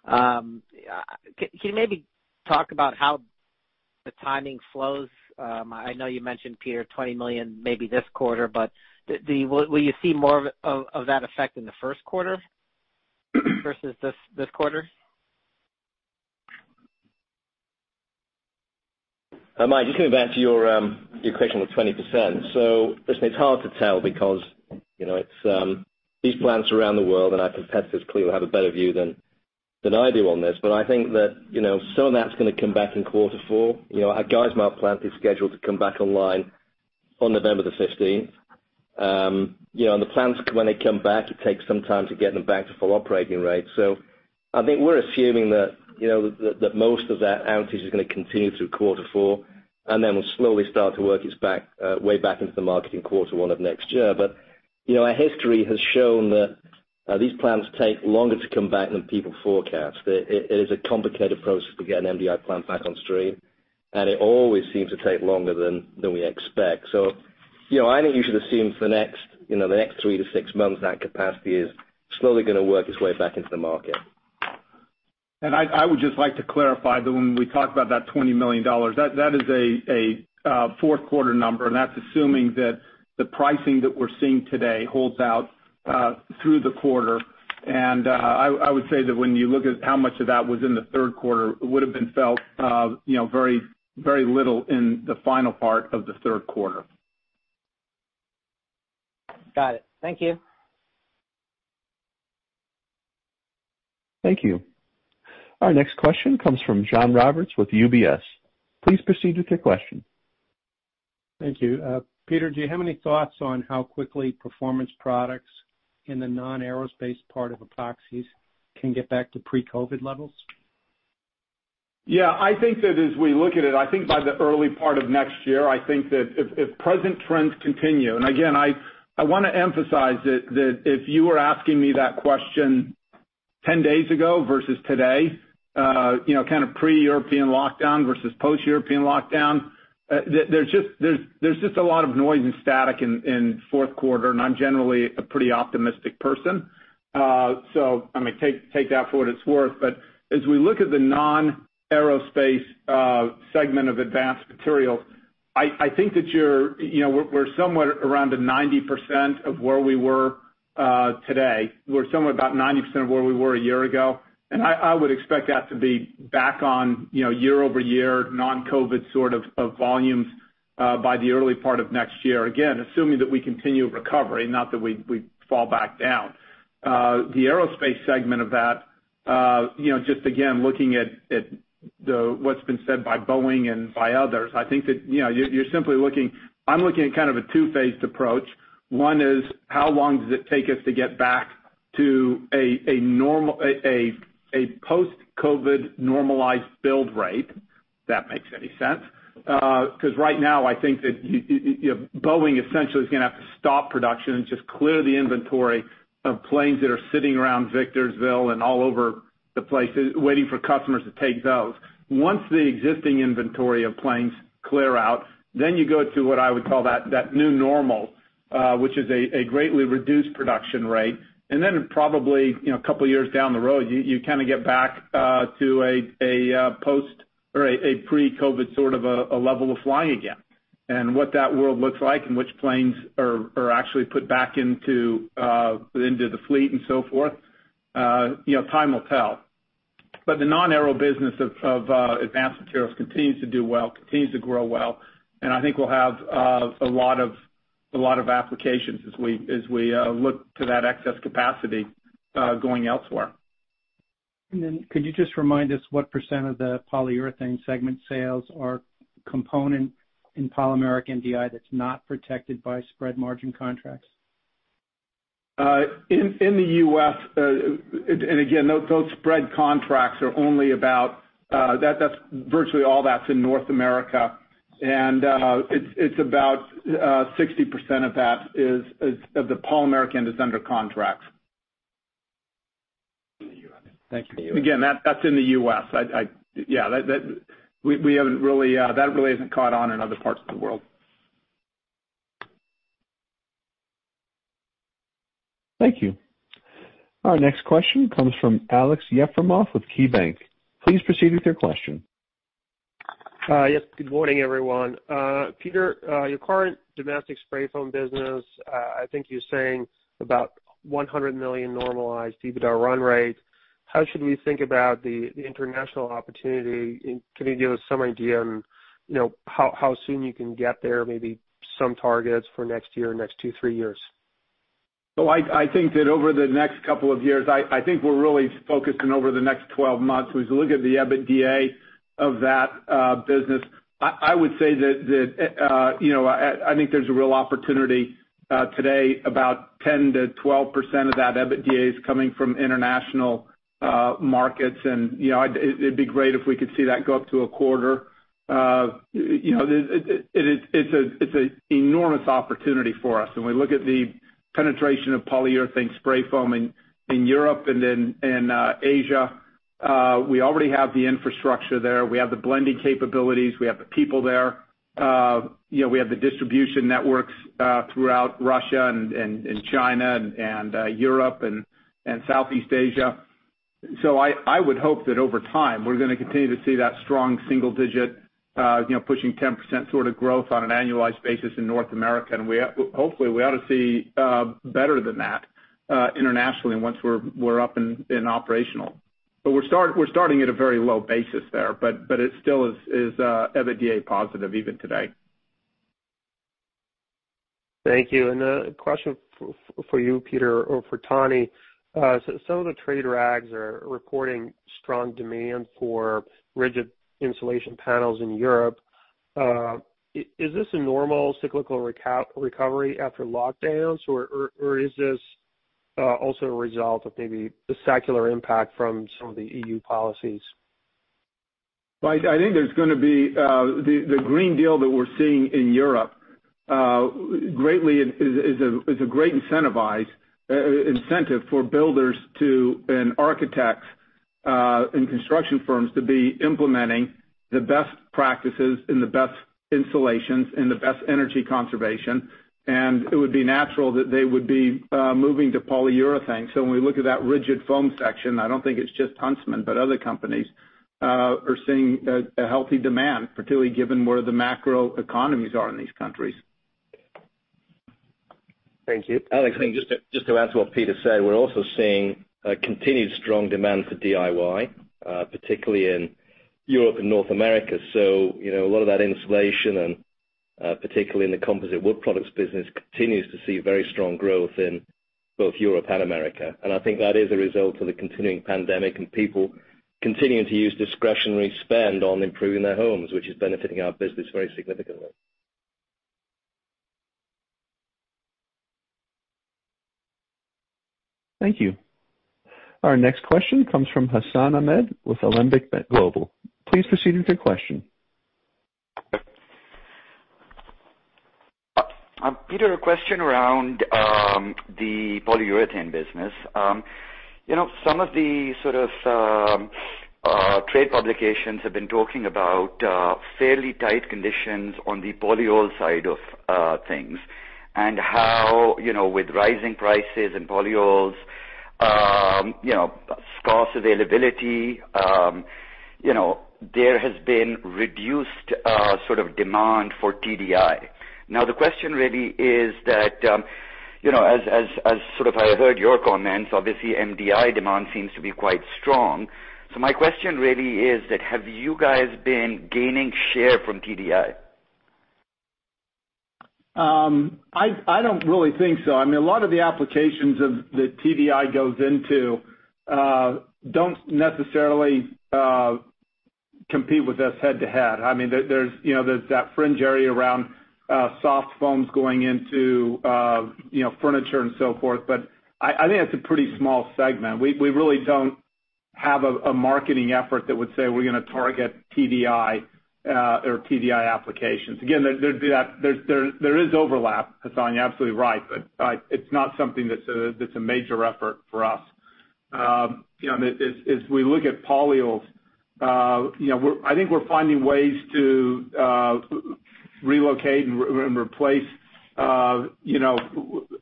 Speaker 8: Can you maybe talk about how the timing flows? I know you mentioned, Peter, $20 million maybe this quarter, but will you see more of that effect in the first quarter versus this quarter?
Speaker 6: Mike, just coming back to your question on the 20%. Listen, it's hard to tell because these plants around the world and our competitors clearly have a better view than I do on this. I think that some of that's going to come back in quarter four. Our Geismar plant is scheduled to come back online on November 15th. The plants, when they come back, it takes some time to get them back to full operating rate. I think we're assuming that most of that outage is going to continue through quarter four, and then we'll slowly start to work its way back into the market in quarter one of next year. Our history has shown that these plants take longer to come back than people forecast. It is a complicated process to get an MDI plant back on stream, and it always seems to take longer than we expect. I think you should assume for the next three to six months that capacity is slowly going to work its way back into the market.
Speaker 3: I would just like to clarify that when we talk about that $20 million, that is a fourth quarter number, and that's assuming that the pricing that we're seeing today holds out through the quarter. I would say that when you look at how much of that was in the third quarter, it would have been felt very little in the final part of the third quarter.
Speaker 8: Got it. Thank you.
Speaker 1: Thank you. Our next question comes from John Roberts with UBS. Please proceed with your question.
Speaker 9: Thank you. Peter, do you have any thoughts on how quickly Performance Products in the non-aerospace part of epoxies can get back to pre-COVID levels?
Speaker 3: Yeah, I think that as we look at it, I think by the early part of next year, I think that if present trends continue. Again, I want to emphasize that if you were asking me that question 10 days ago versus today, kind of pre-European lockdown versus post-European lockdown, there's just a lot of noise and static in fourth quarter. I'm generally a pretty optimistic person. I'm going to take that for what it's worth. As we look at the non-aerospace segment of Advanced Materials, I think that we're somewhere around the 90% of where we were today. We're somewhere about 90% of where we were a year ago. I would expect that to be back on year-over-year non-COVID sort of volumes by the early part of next year. Again, assuming that we continue recovery, not that we fall back down. The aerospace segment of that, just again, looking at what's been said by Boeing and by others, I'm looking at kind of a two-phased approach. One is how long does it take us to get back to a post-COVID normalized build rate, if that makes any sense, because right now I think that Boeing essentially is going to have to stop production and just clear the inventory of planes that are sitting around Victorville and all over the place waiting for customers to take those. Once the existing inventory of planes clear out, then you go to what I would call that new normal, which is a greatly reduced production rate. Then probably a couple of years down the road, you kind of get back to a pre-COVID sort of a level of flying again. What that world looks like and which planes are actually put back into the fleet and so forth, time will tell. The non-aero business of Advanced Materials continues to do well, continues to grow well, and I think we'll have a lot of applications as we look to that excess capacity going elsewhere.
Speaker 9: Could you just remind us what percent of the Polyurethanes segment sales are component in polymeric MDI that's not protected by spread margin contracts?
Speaker 3: In the U.S., again, those spread contracts are only virtually all that's in North America, and it's about 60% of that is of the polymeric and is under contract.
Speaker 9: Thank you.
Speaker 3: That's in the U.S. That really hasn't caught on in other parts of the world.
Speaker 1: Thank you. Our next question comes from Alex Yefremov with KeyBanc. Please proceed with your question.
Speaker 10: Yes, good morning, everyone. Peter, your current domestic spray foam business, I think you're saying about $100 million normalized EBITDA run rate. How should we think about the international opportunity? Can you give us some idea on how soon you can get there, maybe some targets for next year or next two, three years?
Speaker 3: I think that over the next couple of years, I think we're really focusing over the next 12 months, as we look at the EBITDA of that business, I would say that I think there's a real opportunity today about 10%-12% of that EBITDA is coming from international markets, and it'd be great if we could see that go up to a quarter. It's an enormous opportunity for us. We look at the penetration of polyurethane spray foam in Europe and in Asia, we already have the infrastructure there. We have the blending capabilities. We have the people there. We have the distribution networks throughout Russia and China and Europe and Southeast Asia. I would hope that over time, we're going to continue to see that strong single digit, pushing 10% sort of growth on an annualized basis in North America, and hopefully, we ought to see better than that internationally once we're up and operational. We're starting at a very low basis there, but it still is EBITDA positive even today.
Speaker 10: Thank you. A question for you, Peter, or for Tony. Some of the trade rags are reporting strong demand for rigid insulation panels in Europe. Is this a normal cyclical recovery after lockdowns, or is this also a result of maybe the secular impact from some of the EU policies?
Speaker 3: I think the green deal that we're seeing in Europe is a great incentive for builders and architects and construction firms to be implementing the best practices and the best insulations and the best energy conservation, and it would be natural that they would be moving to polyurethane. When we look at that rigid foam section, I don't think it's just Huntsman, but other companies are seeing a healthy demand, particularly given where the macro economies are in these countries.
Speaker 10: Thank you.
Speaker 6: Alex, I think just to add to what Peter said, we're also seeing a continued strong demand for DIY, particularly in Europe and North America. A lot of that insulation, and particularly in the composite wood products business, continues to see very strong growth in both Europe and America. I think that is a result of the continuing pandemic and people continuing to use discretionary spend on improving their homes, which is benefiting our business very significantly.
Speaker 1: Thank you. Our next question comes from Hassan Ahmed with Alembic Global. Please proceed with your question.
Speaker 11: Peter, a question around the polyurethane business. Some of the sort of trade publications have been talking about fairly tight conditions on the polyol side of things, and how, with rising prices and polyols sparse availability, there has been reduced demand for TDI. The question really is that, as sort of I heard your comments, obviously MDI demand seems to be quite strong. My question really is that have you guys been gaining share from TDI?
Speaker 3: I don't really think so. I mean, a lot of the applications that TDI goes into don't necessarily compete with us head-to-head. There's that fringe area around soft foams going into furniture and so forth, but I think that's a pretty small segment. We really don't have a marketing effort that would say we're going to target TDI or TDI applications. Again, there is overlap, Hassan, you're absolutely right, but it's not something that's a major effort for us. As we look at polyols, I think we're finding ways to relocate and replace our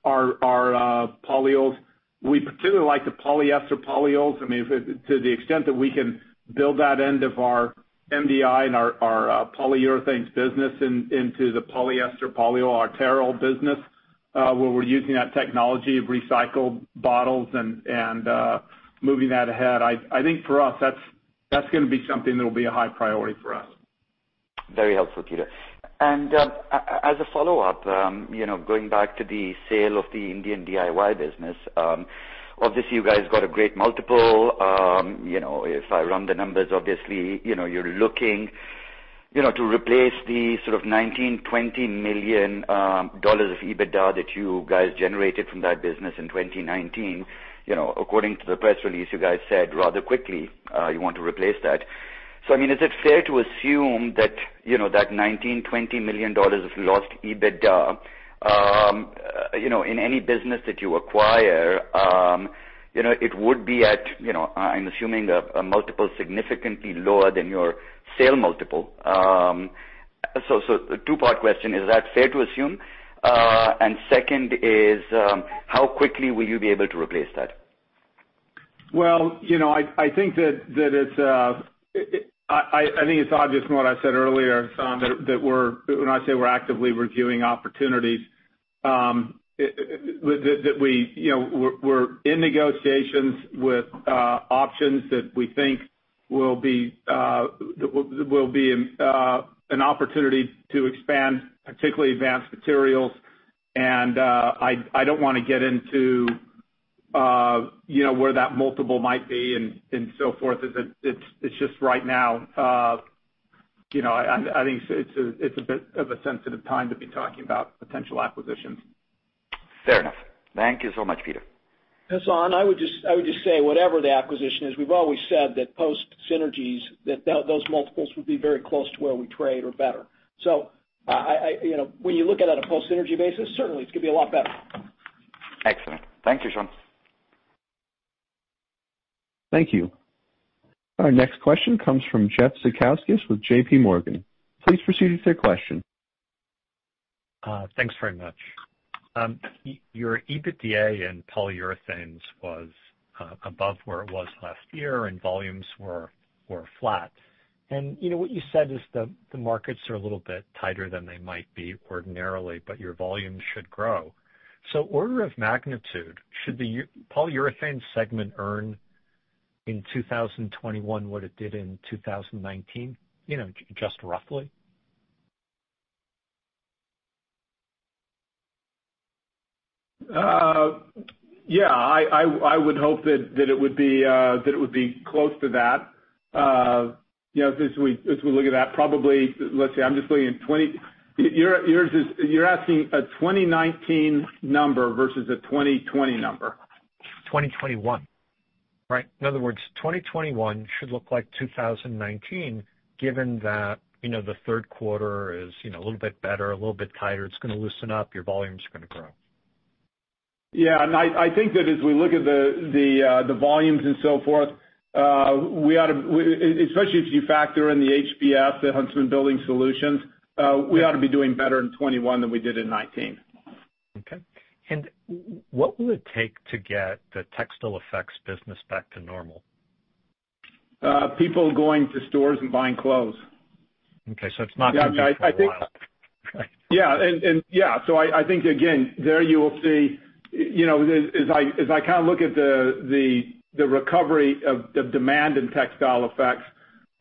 Speaker 3: polyols. We particularly like the polyester polyols. To the extent that we can build that end of our MDI and our polyurethanes business into the polyester polyol or TEROL business, where we're using that technology of recycled bottles and moving that ahead, I think for us, that's going to be something that'll be a high priority for us.
Speaker 11: Very helpful, Peter. As a follow-up, going back to the sale of the Indian DIY business, obviously you guys got a great multiple. If I run the numbers, obviously, you're looking to replace the sort of $19 million, $20 million of EBITDA that you guys generated from that business in 2019. According to the press release, you guys said rather quickly you want to replace that. I mean, is it fair to assume that $19 million, $20 million of lost EBITDA in any business that you acquire, it would be at, I'm assuming, a multiple significantly lower than your sale multiple? Two-part question, is that fair to assume? Second is how quickly will you be able to replace that?
Speaker 3: Well, I think it's obvious from what I said earlier, Hassan, when I say we're actively reviewing opportunities, that we're in negotiations with options that we think will be an opportunity to expand particularly Advanced Materials. I don't want to get into where that multiple might be and so forth. It's just right now, I think it's a bit of a sensitive time to be talking about potential acquisitions.
Speaker 11: Fair enough. Thank you so much, Peter.
Speaker 4: Hassan, I would just say whatever the acquisition is, we've always said that post synergies, that those multiples would be very close to where we trade or better. When you look at it a post synergy basis, certainly it's going to be a lot better.
Speaker 11: Excellent. Thank you, Sean.
Speaker 1: Thank you. Our next question comes from Jeff Zekauskas with J.P. Morgan. Please proceed with your question.
Speaker 12: Thanks very much. Your EBITDA in Polyurethanes was above where it was last year. Volumes were flat. What you said is the markets are a little bit tighter than they might be ordinarily, but your volumes should grow. Order of magnitude, should the Polyurethanes segment earn in 2021 what it did in 2019, just roughly?
Speaker 3: Yeah, I would hope that it would be close to that. As we look at that, probably, let's see, I'm just looking at you're asking a 2019 number versus a 2020 number.
Speaker 12: 2021, right? In other words, 2021 should look like 2019 given that the third quarter is a little bit better, a little bit tighter. It's going to loosen up. Your volumes are going to grow.
Speaker 3: Yeah, I think that as we look at the volumes and so forth, especially if you factor in the HBS, the Huntsman Building Solutions, we ought to be doing better in 2021 than we did in 2019.
Speaker 12: Okay. What will it take to get the Textile Effects business back to normal?
Speaker 3: People going to stores and buying clothes.
Speaker 12: Okay. It's not going to be for a while.
Speaker 3: I think, again, there you will see, as I look at the recovery of demand in Textile Effects,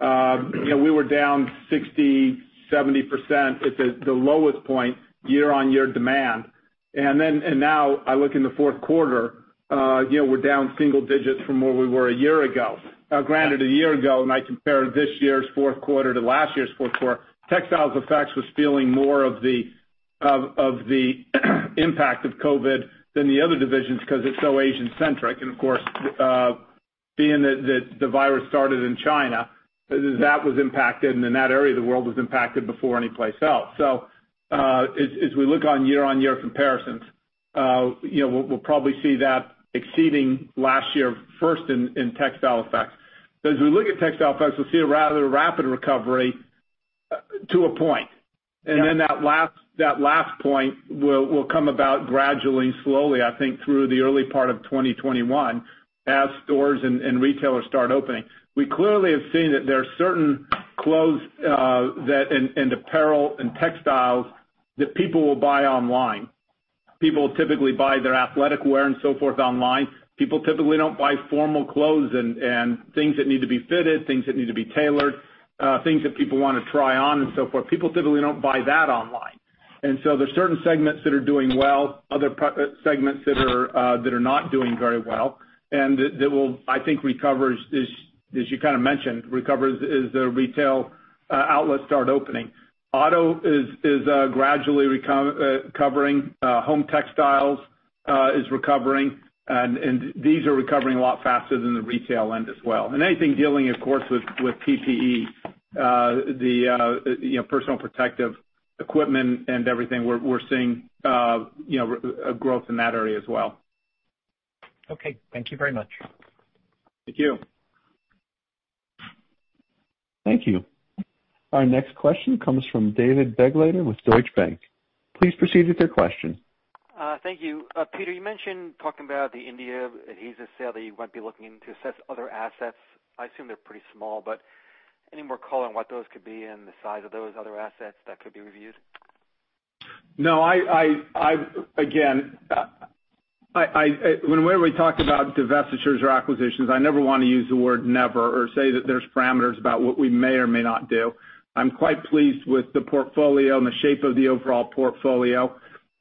Speaker 3: we were down 60%, 70% at the lowest point year-on-year demand. Now, I look in the fourth quarter, we're down single digits from where we were a year ago. Granted, a year ago, I compare this year's fourth quarter to last year's fourth quarter, Textile Effects was feeling more of the impact of COVID than the other divisions because it's so Asian-centric. Of course, being that the virus started in China, that was impacted, then that area of the world was impacted before anyplace else. As we look on year-on-year comparisons, we'll probably see that exceeding last year first in Textile Effects. As we look at Textile Effects, we'll see a rather rapid recovery to a point, and then that last point will come about gradually and slowly, I think, through the early part of 2021, as stores and retailers start opening. We clearly have seen that there are certain clothes and apparel and textiles that people will buy online. People typically buy their athletic wear and so forth online. People typically don't buy formal clothes and things that need to be fitted, things that need to be tailored, things that people want to try on and so forth. People typically don't buy that online. There are certain segments that are doing well, other segments that are not doing very well, and that will, I think, recover, as you kind of mentioned, as the retail outlets start opening. Auto is gradually recovering. Home textiles is recovering. These are recovering a lot faster than the retail end as well. Anything dealing, of course, with PPE, the personal protective equipment and everything, we're seeing growth in that area as well.
Speaker 12: Okay. Thank you very much.
Speaker 3: Thank you.
Speaker 1: Thank you. Our next question comes from David Begleiter with Deutsche Bank. Please proceed with your question.
Speaker 13: Thank you. Peter, you mentioned talking about the India adhesives sale that you might be looking into assess other assets. I assume they're pretty small, any more color on what those could be and the size of those other assets that could be reviewed?
Speaker 3: No. Again, whenever we talk about divestitures or acquisitions, I never want to use the word never or say that there's parameters about what we may or may not do. I'm quite pleased with the portfolio and the shape of the overall portfolio.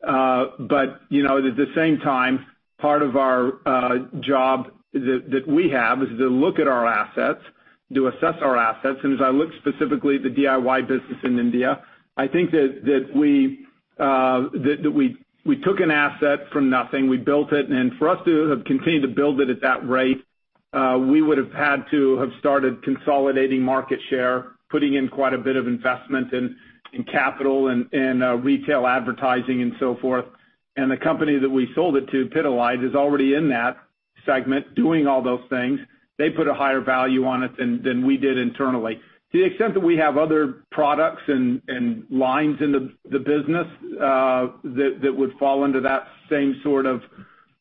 Speaker 3: At the same time, part of our job that we have is to look at our assets, to assess our assets. As I look specifically at the DIY business in India, I think that we took an asset from nothing. We built it. For us to have continued to build it at that rate, we would have had to have started consolidating market share, putting in quite a bit of investment in capital and retail advertising and so forth. The company that we sold it to, Pidilite, is already in that segment, doing all those things. They put a higher value on it than we did internally. To the extent that we have other products and lines in the business that would fall under that same sort of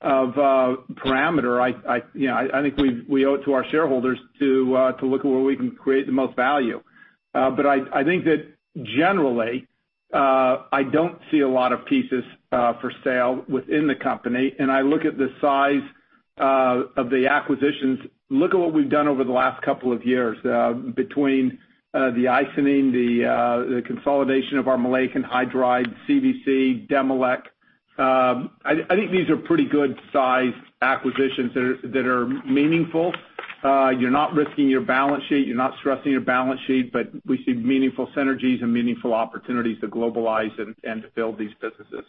Speaker 3: parameter, I think we owe it to our shareholders to look at where we can create the most value. I think that generally, I don't see a lot of pieces for sale within the company, and I look at the size of the acquisitions. Look at what we've done over the last couple of years, between the Icynene, the consolidation of our maleic anhydride, CVC, Demilec. I think these are pretty good-sized acquisitions that are meaningful. You're not risking your balance sheet. You're not stressing your balance sheet. We see meaningful synergies and meaningful opportunities to globalize and to build these businesses.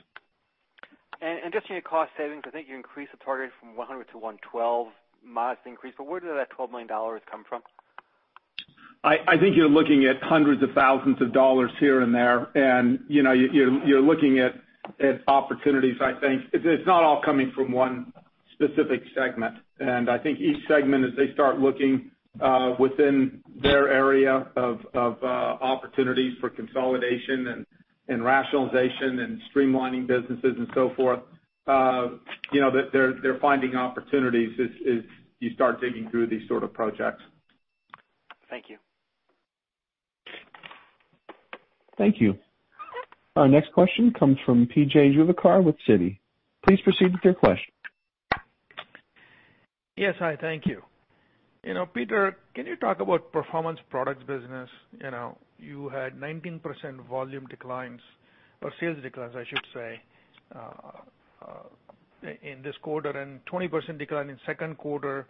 Speaker 13: Just on your cost savings, I think you increased the target from 100 to 112 modest increase, but where did that $12 million come from?
Speaker 3: I think you're looking at hundreds of thousands of dollars here and there, and you're looking at opportunities, I think. It's not all coming from one specific segment, and I think each segment, as they start looking within their area of opportunities for consolidation and rationalization and streamlining businesses and so forth, they're finding opportunities as you start digging through these sort of projects.
Speaker 13: Thank you.
Speaker 1: Thank you. Our next question comes from P.J. Juvekar with Citi. Please proceed with your question.
Speaker 14: Yes, hi. Thank you. Peter, can you talk about Performance Products business? You had 19% volume declines or sales declines, I should say, in this quarter, and 20% decline in the second quarter.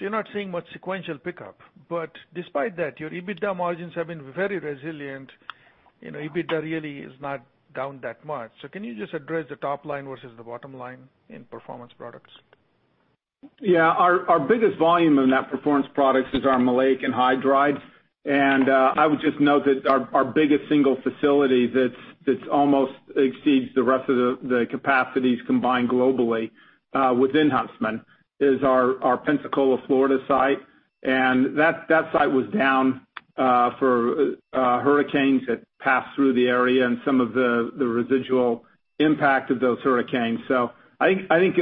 Speaker 14: You're not seeing much sequential pickup. Despite that, your EBITDA margins have been very resilient. EBITDA really is not down that much. Can you just address the top line versus the bottom line in Performance Products?
Speaker 3: Our biggest volume in that Performance Products is our maleic anhydride. I would just note that our biggest single facility that almost exceeds the rest of the capacities combined globally within Huntsman is our Pensacola, Florida site. That site was down for hurricanes that passed through the area and some of the residual impact of those hurricanes. I think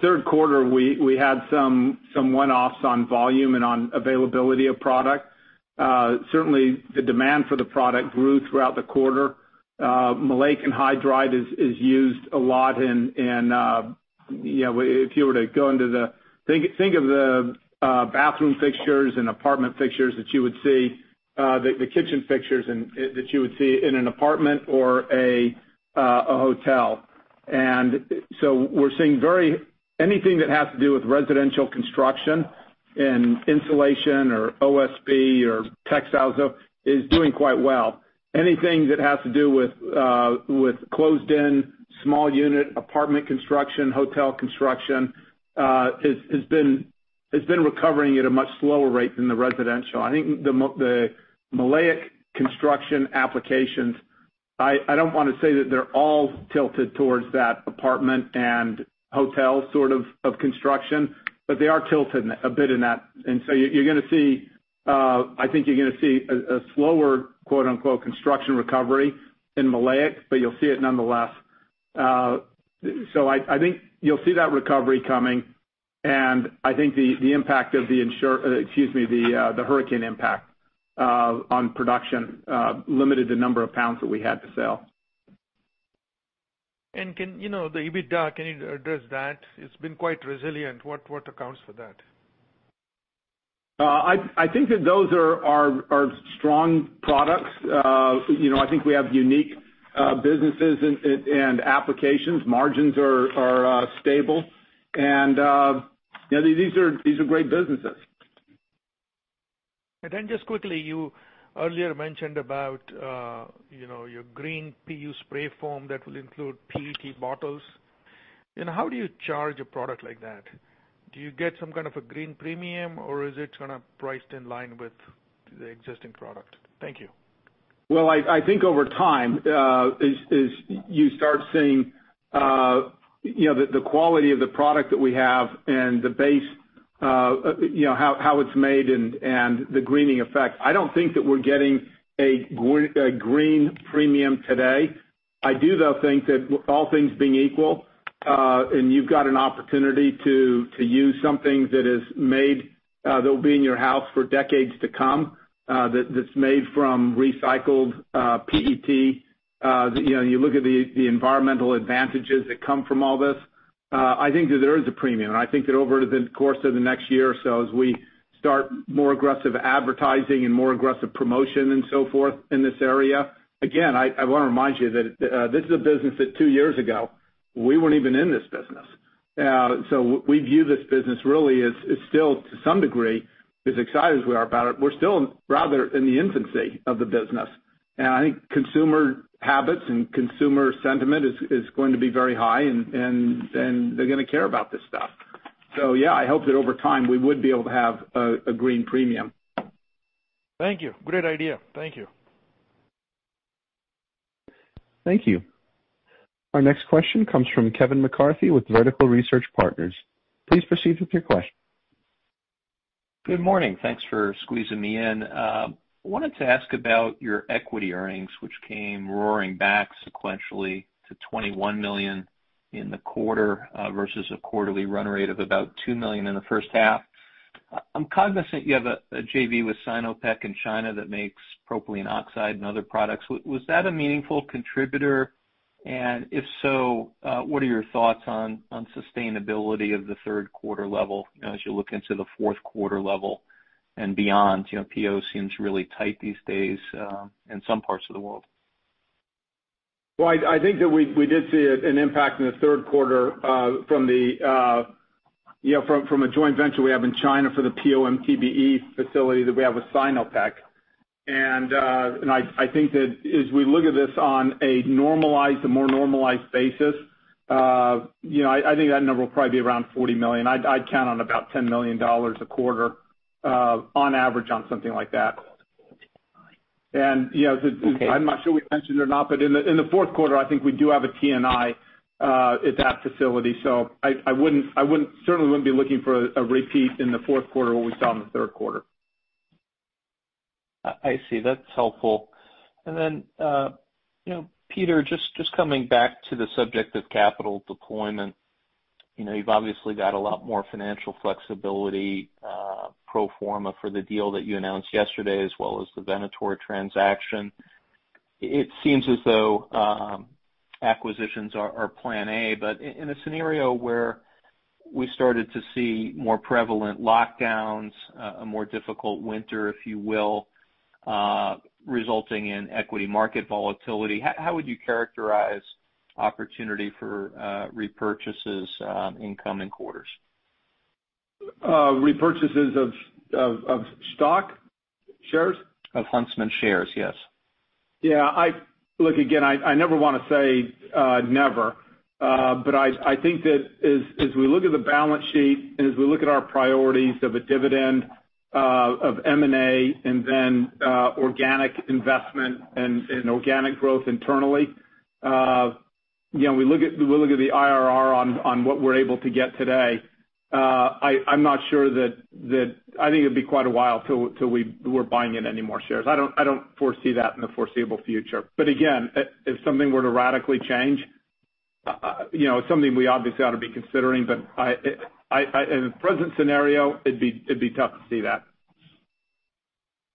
Speaker 3: third quarter, we had some one-offs on volume and on availability of product. Certainly the demand for the product grew throughout the quarter. Maleic anhydride is used a lot in, if you were to go into the think of the bathroom fixtures and apartment fixtures that you would see, the kitchen fixtures that you would see in an apartment or a hotel. We're seeing anything that has to do with residential construction and insulation or OSB or textiles is doing quite well. Anything that has to do with closed-in small unit apartment construction, hotel construction has been recovering at a much slower rate than the residential. I think the maleic construction applications, I don't want to say that they're all tilted towards that apartment and hotel sort of construction, but they are tilted a bit in that. I think you're going to see a slower, quote unquote, construction recovery in maleic, but you'll see it nonetheless. I think you'll see that recovery coming, and I think the hurricane impact on production limited the number of pounds that we had to sell.
Speaker 14: The EBITDA, can you address that? It's been quite resilient. What accounts for that?
Speaker 3: I think that those are strong products. I think we have unique businesses and applications. Margins are stable, and these are great businesses.
Speaker 14: Just quickly, you earlier mentioned about your green PU spray foam that will include PET bottles. How do you charge a product like that? Do you get some kind of a green premium, or is it kind of priced in line with the existing product? Thank you.
Speaker 3: Well, I think over time as you start seeing the quality of the product that we have and the base, how it's made and the greening effect, I don't think that we're getting a green premium today. I do, though, think that all things being equal, and you've got an opportunity to use something that will be in your house for decades to come that's made from recycled PET. You look at the environmental advantages that come from all this, I think that there is a premium. I think that over the course of the next year or so, as we start more aggressive advertising and more aggressive promotion and so forth in this area, again, I want to remind you that this is a business that two years ago, we weren't even in this business. We view this business really as still, to some degree, as excited as we are about it, we're still rather in the infancy of the business. I think consumer habits and consumer sentiment is going to be very high, and they're going to care about this stuff. Yeah, I hope that over time we would be able to have a green premium.
Speaker 14: Thank you. Great idea. Thank you.
Speaker 1: Thank you. Our next question comes from Kevin McCarthy with Vertical Research Partners. Please proceed with your question.
Speaker 15: Good morning. Thanks for squeezing me in. I wanted to ask about your equity earnings, which came roaring back sequentially to $21 million in the quarter versus a quarterly run rate of about $2 million in the first half. I'm cognizant you have a JV with Sinopec in China that makes propylene oxide and other products. Was that a meaningful contributor? If so, what are your thoughts on sustainability of the third quarter level as you look into the fourth quarter level and beyond? PO seems really tight these days in some parts of the world.
Speaker 3: I think that we did see an impact in the third quarter from a joint venture we have in China for the PO/MTBE facility that we have with Sinopec. I think that as we look at this on a more normalized basis I think that number will probably be around $40 million. I'd count on about $10 million a quarter on average on something like that. I'm not sure we mentioned it or not, but in the fourth quarter, I think we do have a T&I at that facility. I certainly wouldn't be looking for a repeat in the fourth quarter of what we saw in the third quarter.
Speaker 15: I see. That's helpful. Then Peter, just coming back to the subject of capital deployment. You've obviously got a lot more financial flexibility pro forma for the deal that you announced yesterday as well as the Venator transaction. It seems as though acquisitions are Plan A, but in a scenario where we started to see more prevalent lockdowns, a more difficult winter if you will, resulting in equity market volatility, how would you characterize opportunity for repurchases in coming quarters?
Speaker 3: Repurchases of stock shares?
Speaker 15: Of Huntsman shares, yes.
Speaker 3: Yeah. Look, again, I never want to say never. I think that as we look at the balance sheet, and as we look at our priorities of a dividend of M&A and then organic investment and organic growth internally, we look at the IRR on what we're able to get today. I'm not sure that I think it'd be quite a while till we're buying in any more shares. I don't foresee that in the foreseeable future. Again, if something were to radically change, it's something we obviously ought to be considering, but in the present scenario, it'd be tough to see that.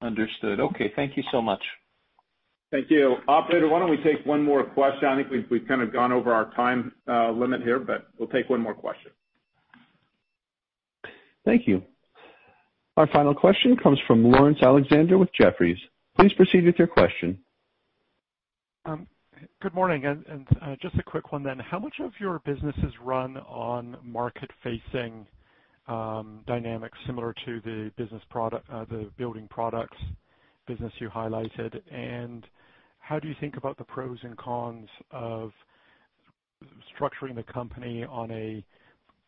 Speaker 15: Understood. Okay. Thank you so much.
Speaker 3: Thank you. Operator, why don't we take one more question? I think we've kind of gone over our time limit here. We'll take one more question.
Speaker 1: Thank you. Our final question comes from Laurence Alexander with Jefferies. Please proceed with your question.
Speaker 16: Good morning. Just a quick one then. How much of your business is run on market-facing dynamics similar to the building products business you highlighted? How do you think about the pros and cons of structuring the company on an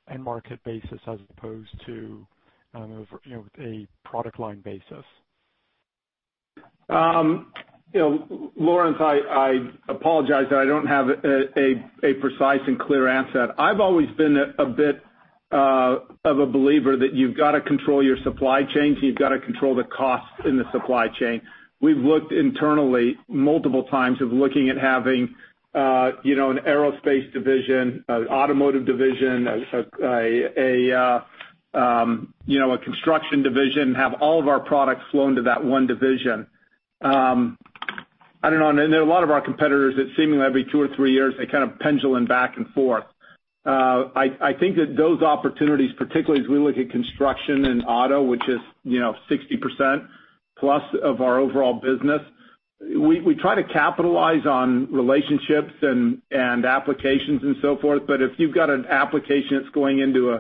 Speaker 16: end-market basis as opposed to a product line basis?
Speaker 3: Laurence, I apologize that I don't have a precise and clear answer. I've always been a bit of a believer that you've got to control your supply chain, so you've got to control the cost in the supply chain. We've looked internally multiple times of looking at having an aerospace division, an automotive division, a construction division, have all of our products flow into that one division. I don't know. There are a lot of our competitors that seemingly every two or three years, they kind of pendulum back and forth. I think that those opportunities, particularly as we look at construction and auto, which is 60% plus of our overall business, we try to capitalize on relationships and applications and so forth. If you've got an application that's going into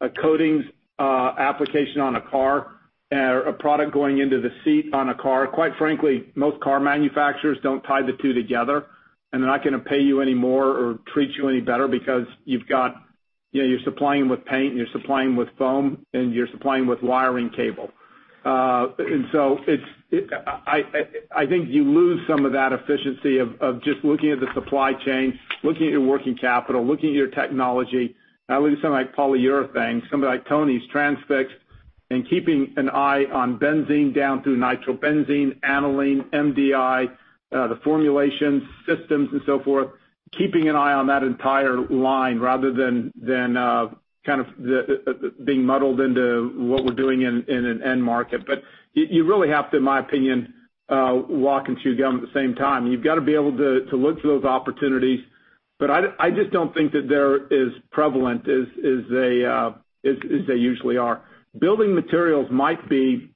Speaker 3: a coatings application on a car or a product going into the seat on a car, quite frankly, most car manufacturers don't tie the two together, and they're not going to pay you any more or treat you any better because you're supplying with paint, you're supplying with foam, and you're supplying with wiring cable. I think you lose some of that efficiency of just looking at the supply chain, looking at your working capital, looking at your technology. Now, looking at something like polyurethane, something like toluene, Transfix, and keeping an eye on benzene down through nitrobenzene, aniline, MDI, the formulation systems and so forth, keeping an eye on that entire line rather than kind of being muddled into what we're doing in an end market. You really have to, in my opinion, walk and chew gum at the same time. You've got to be able to look for those opportunities. I just don't think that there is prevalent as they usually are. Building materials might be.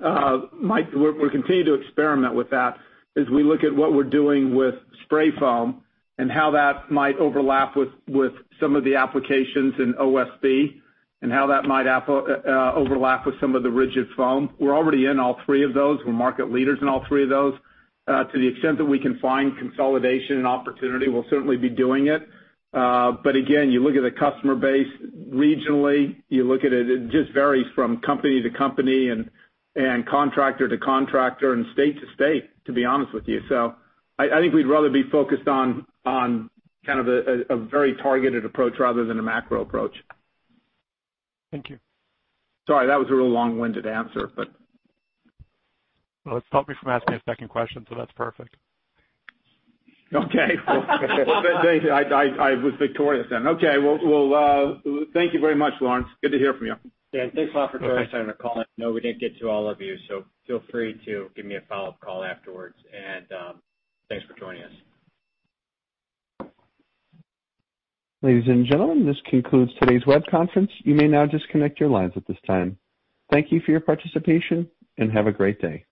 Speaker 3: We'll continue to experiment with that as we look at what we're doing with spray foam and how that might overlap with some of the applications in OSB, and how that might overlap with some of the rigid foam. We're already in all three of those. We're market leaders in all three of those. To the extent that we can find consolidation and opportunity, we'll certainly be doing it. Again, you look at the customer base regionally, you look at it just varies from company to company and contractor to contractor and state to state, to be honest with you. I think we'd rather be focused on kind of a very targeted approach rather than a macro approach.
Speaker 16: Thank you.
Speaker 3: Sorry, that was a real long-winded answer.
Speaker 16: Well, it stopped me from asking a second question, so that's perfect.
Speaker 3: Good day. I was victorious then. Thank you very much, Laurence. Good to hear from you.
Speaker 2: Thanks a lot for joining us on the call. I know we didn't get to all of you, so feel free to give me a follow-up call afterwards, and thanks for joining us.
Speaker 1: Ladies and gentlemen, this concludes today's web conference. You may now disconnect your lines at this time. Thank you for your participation, and have a great day.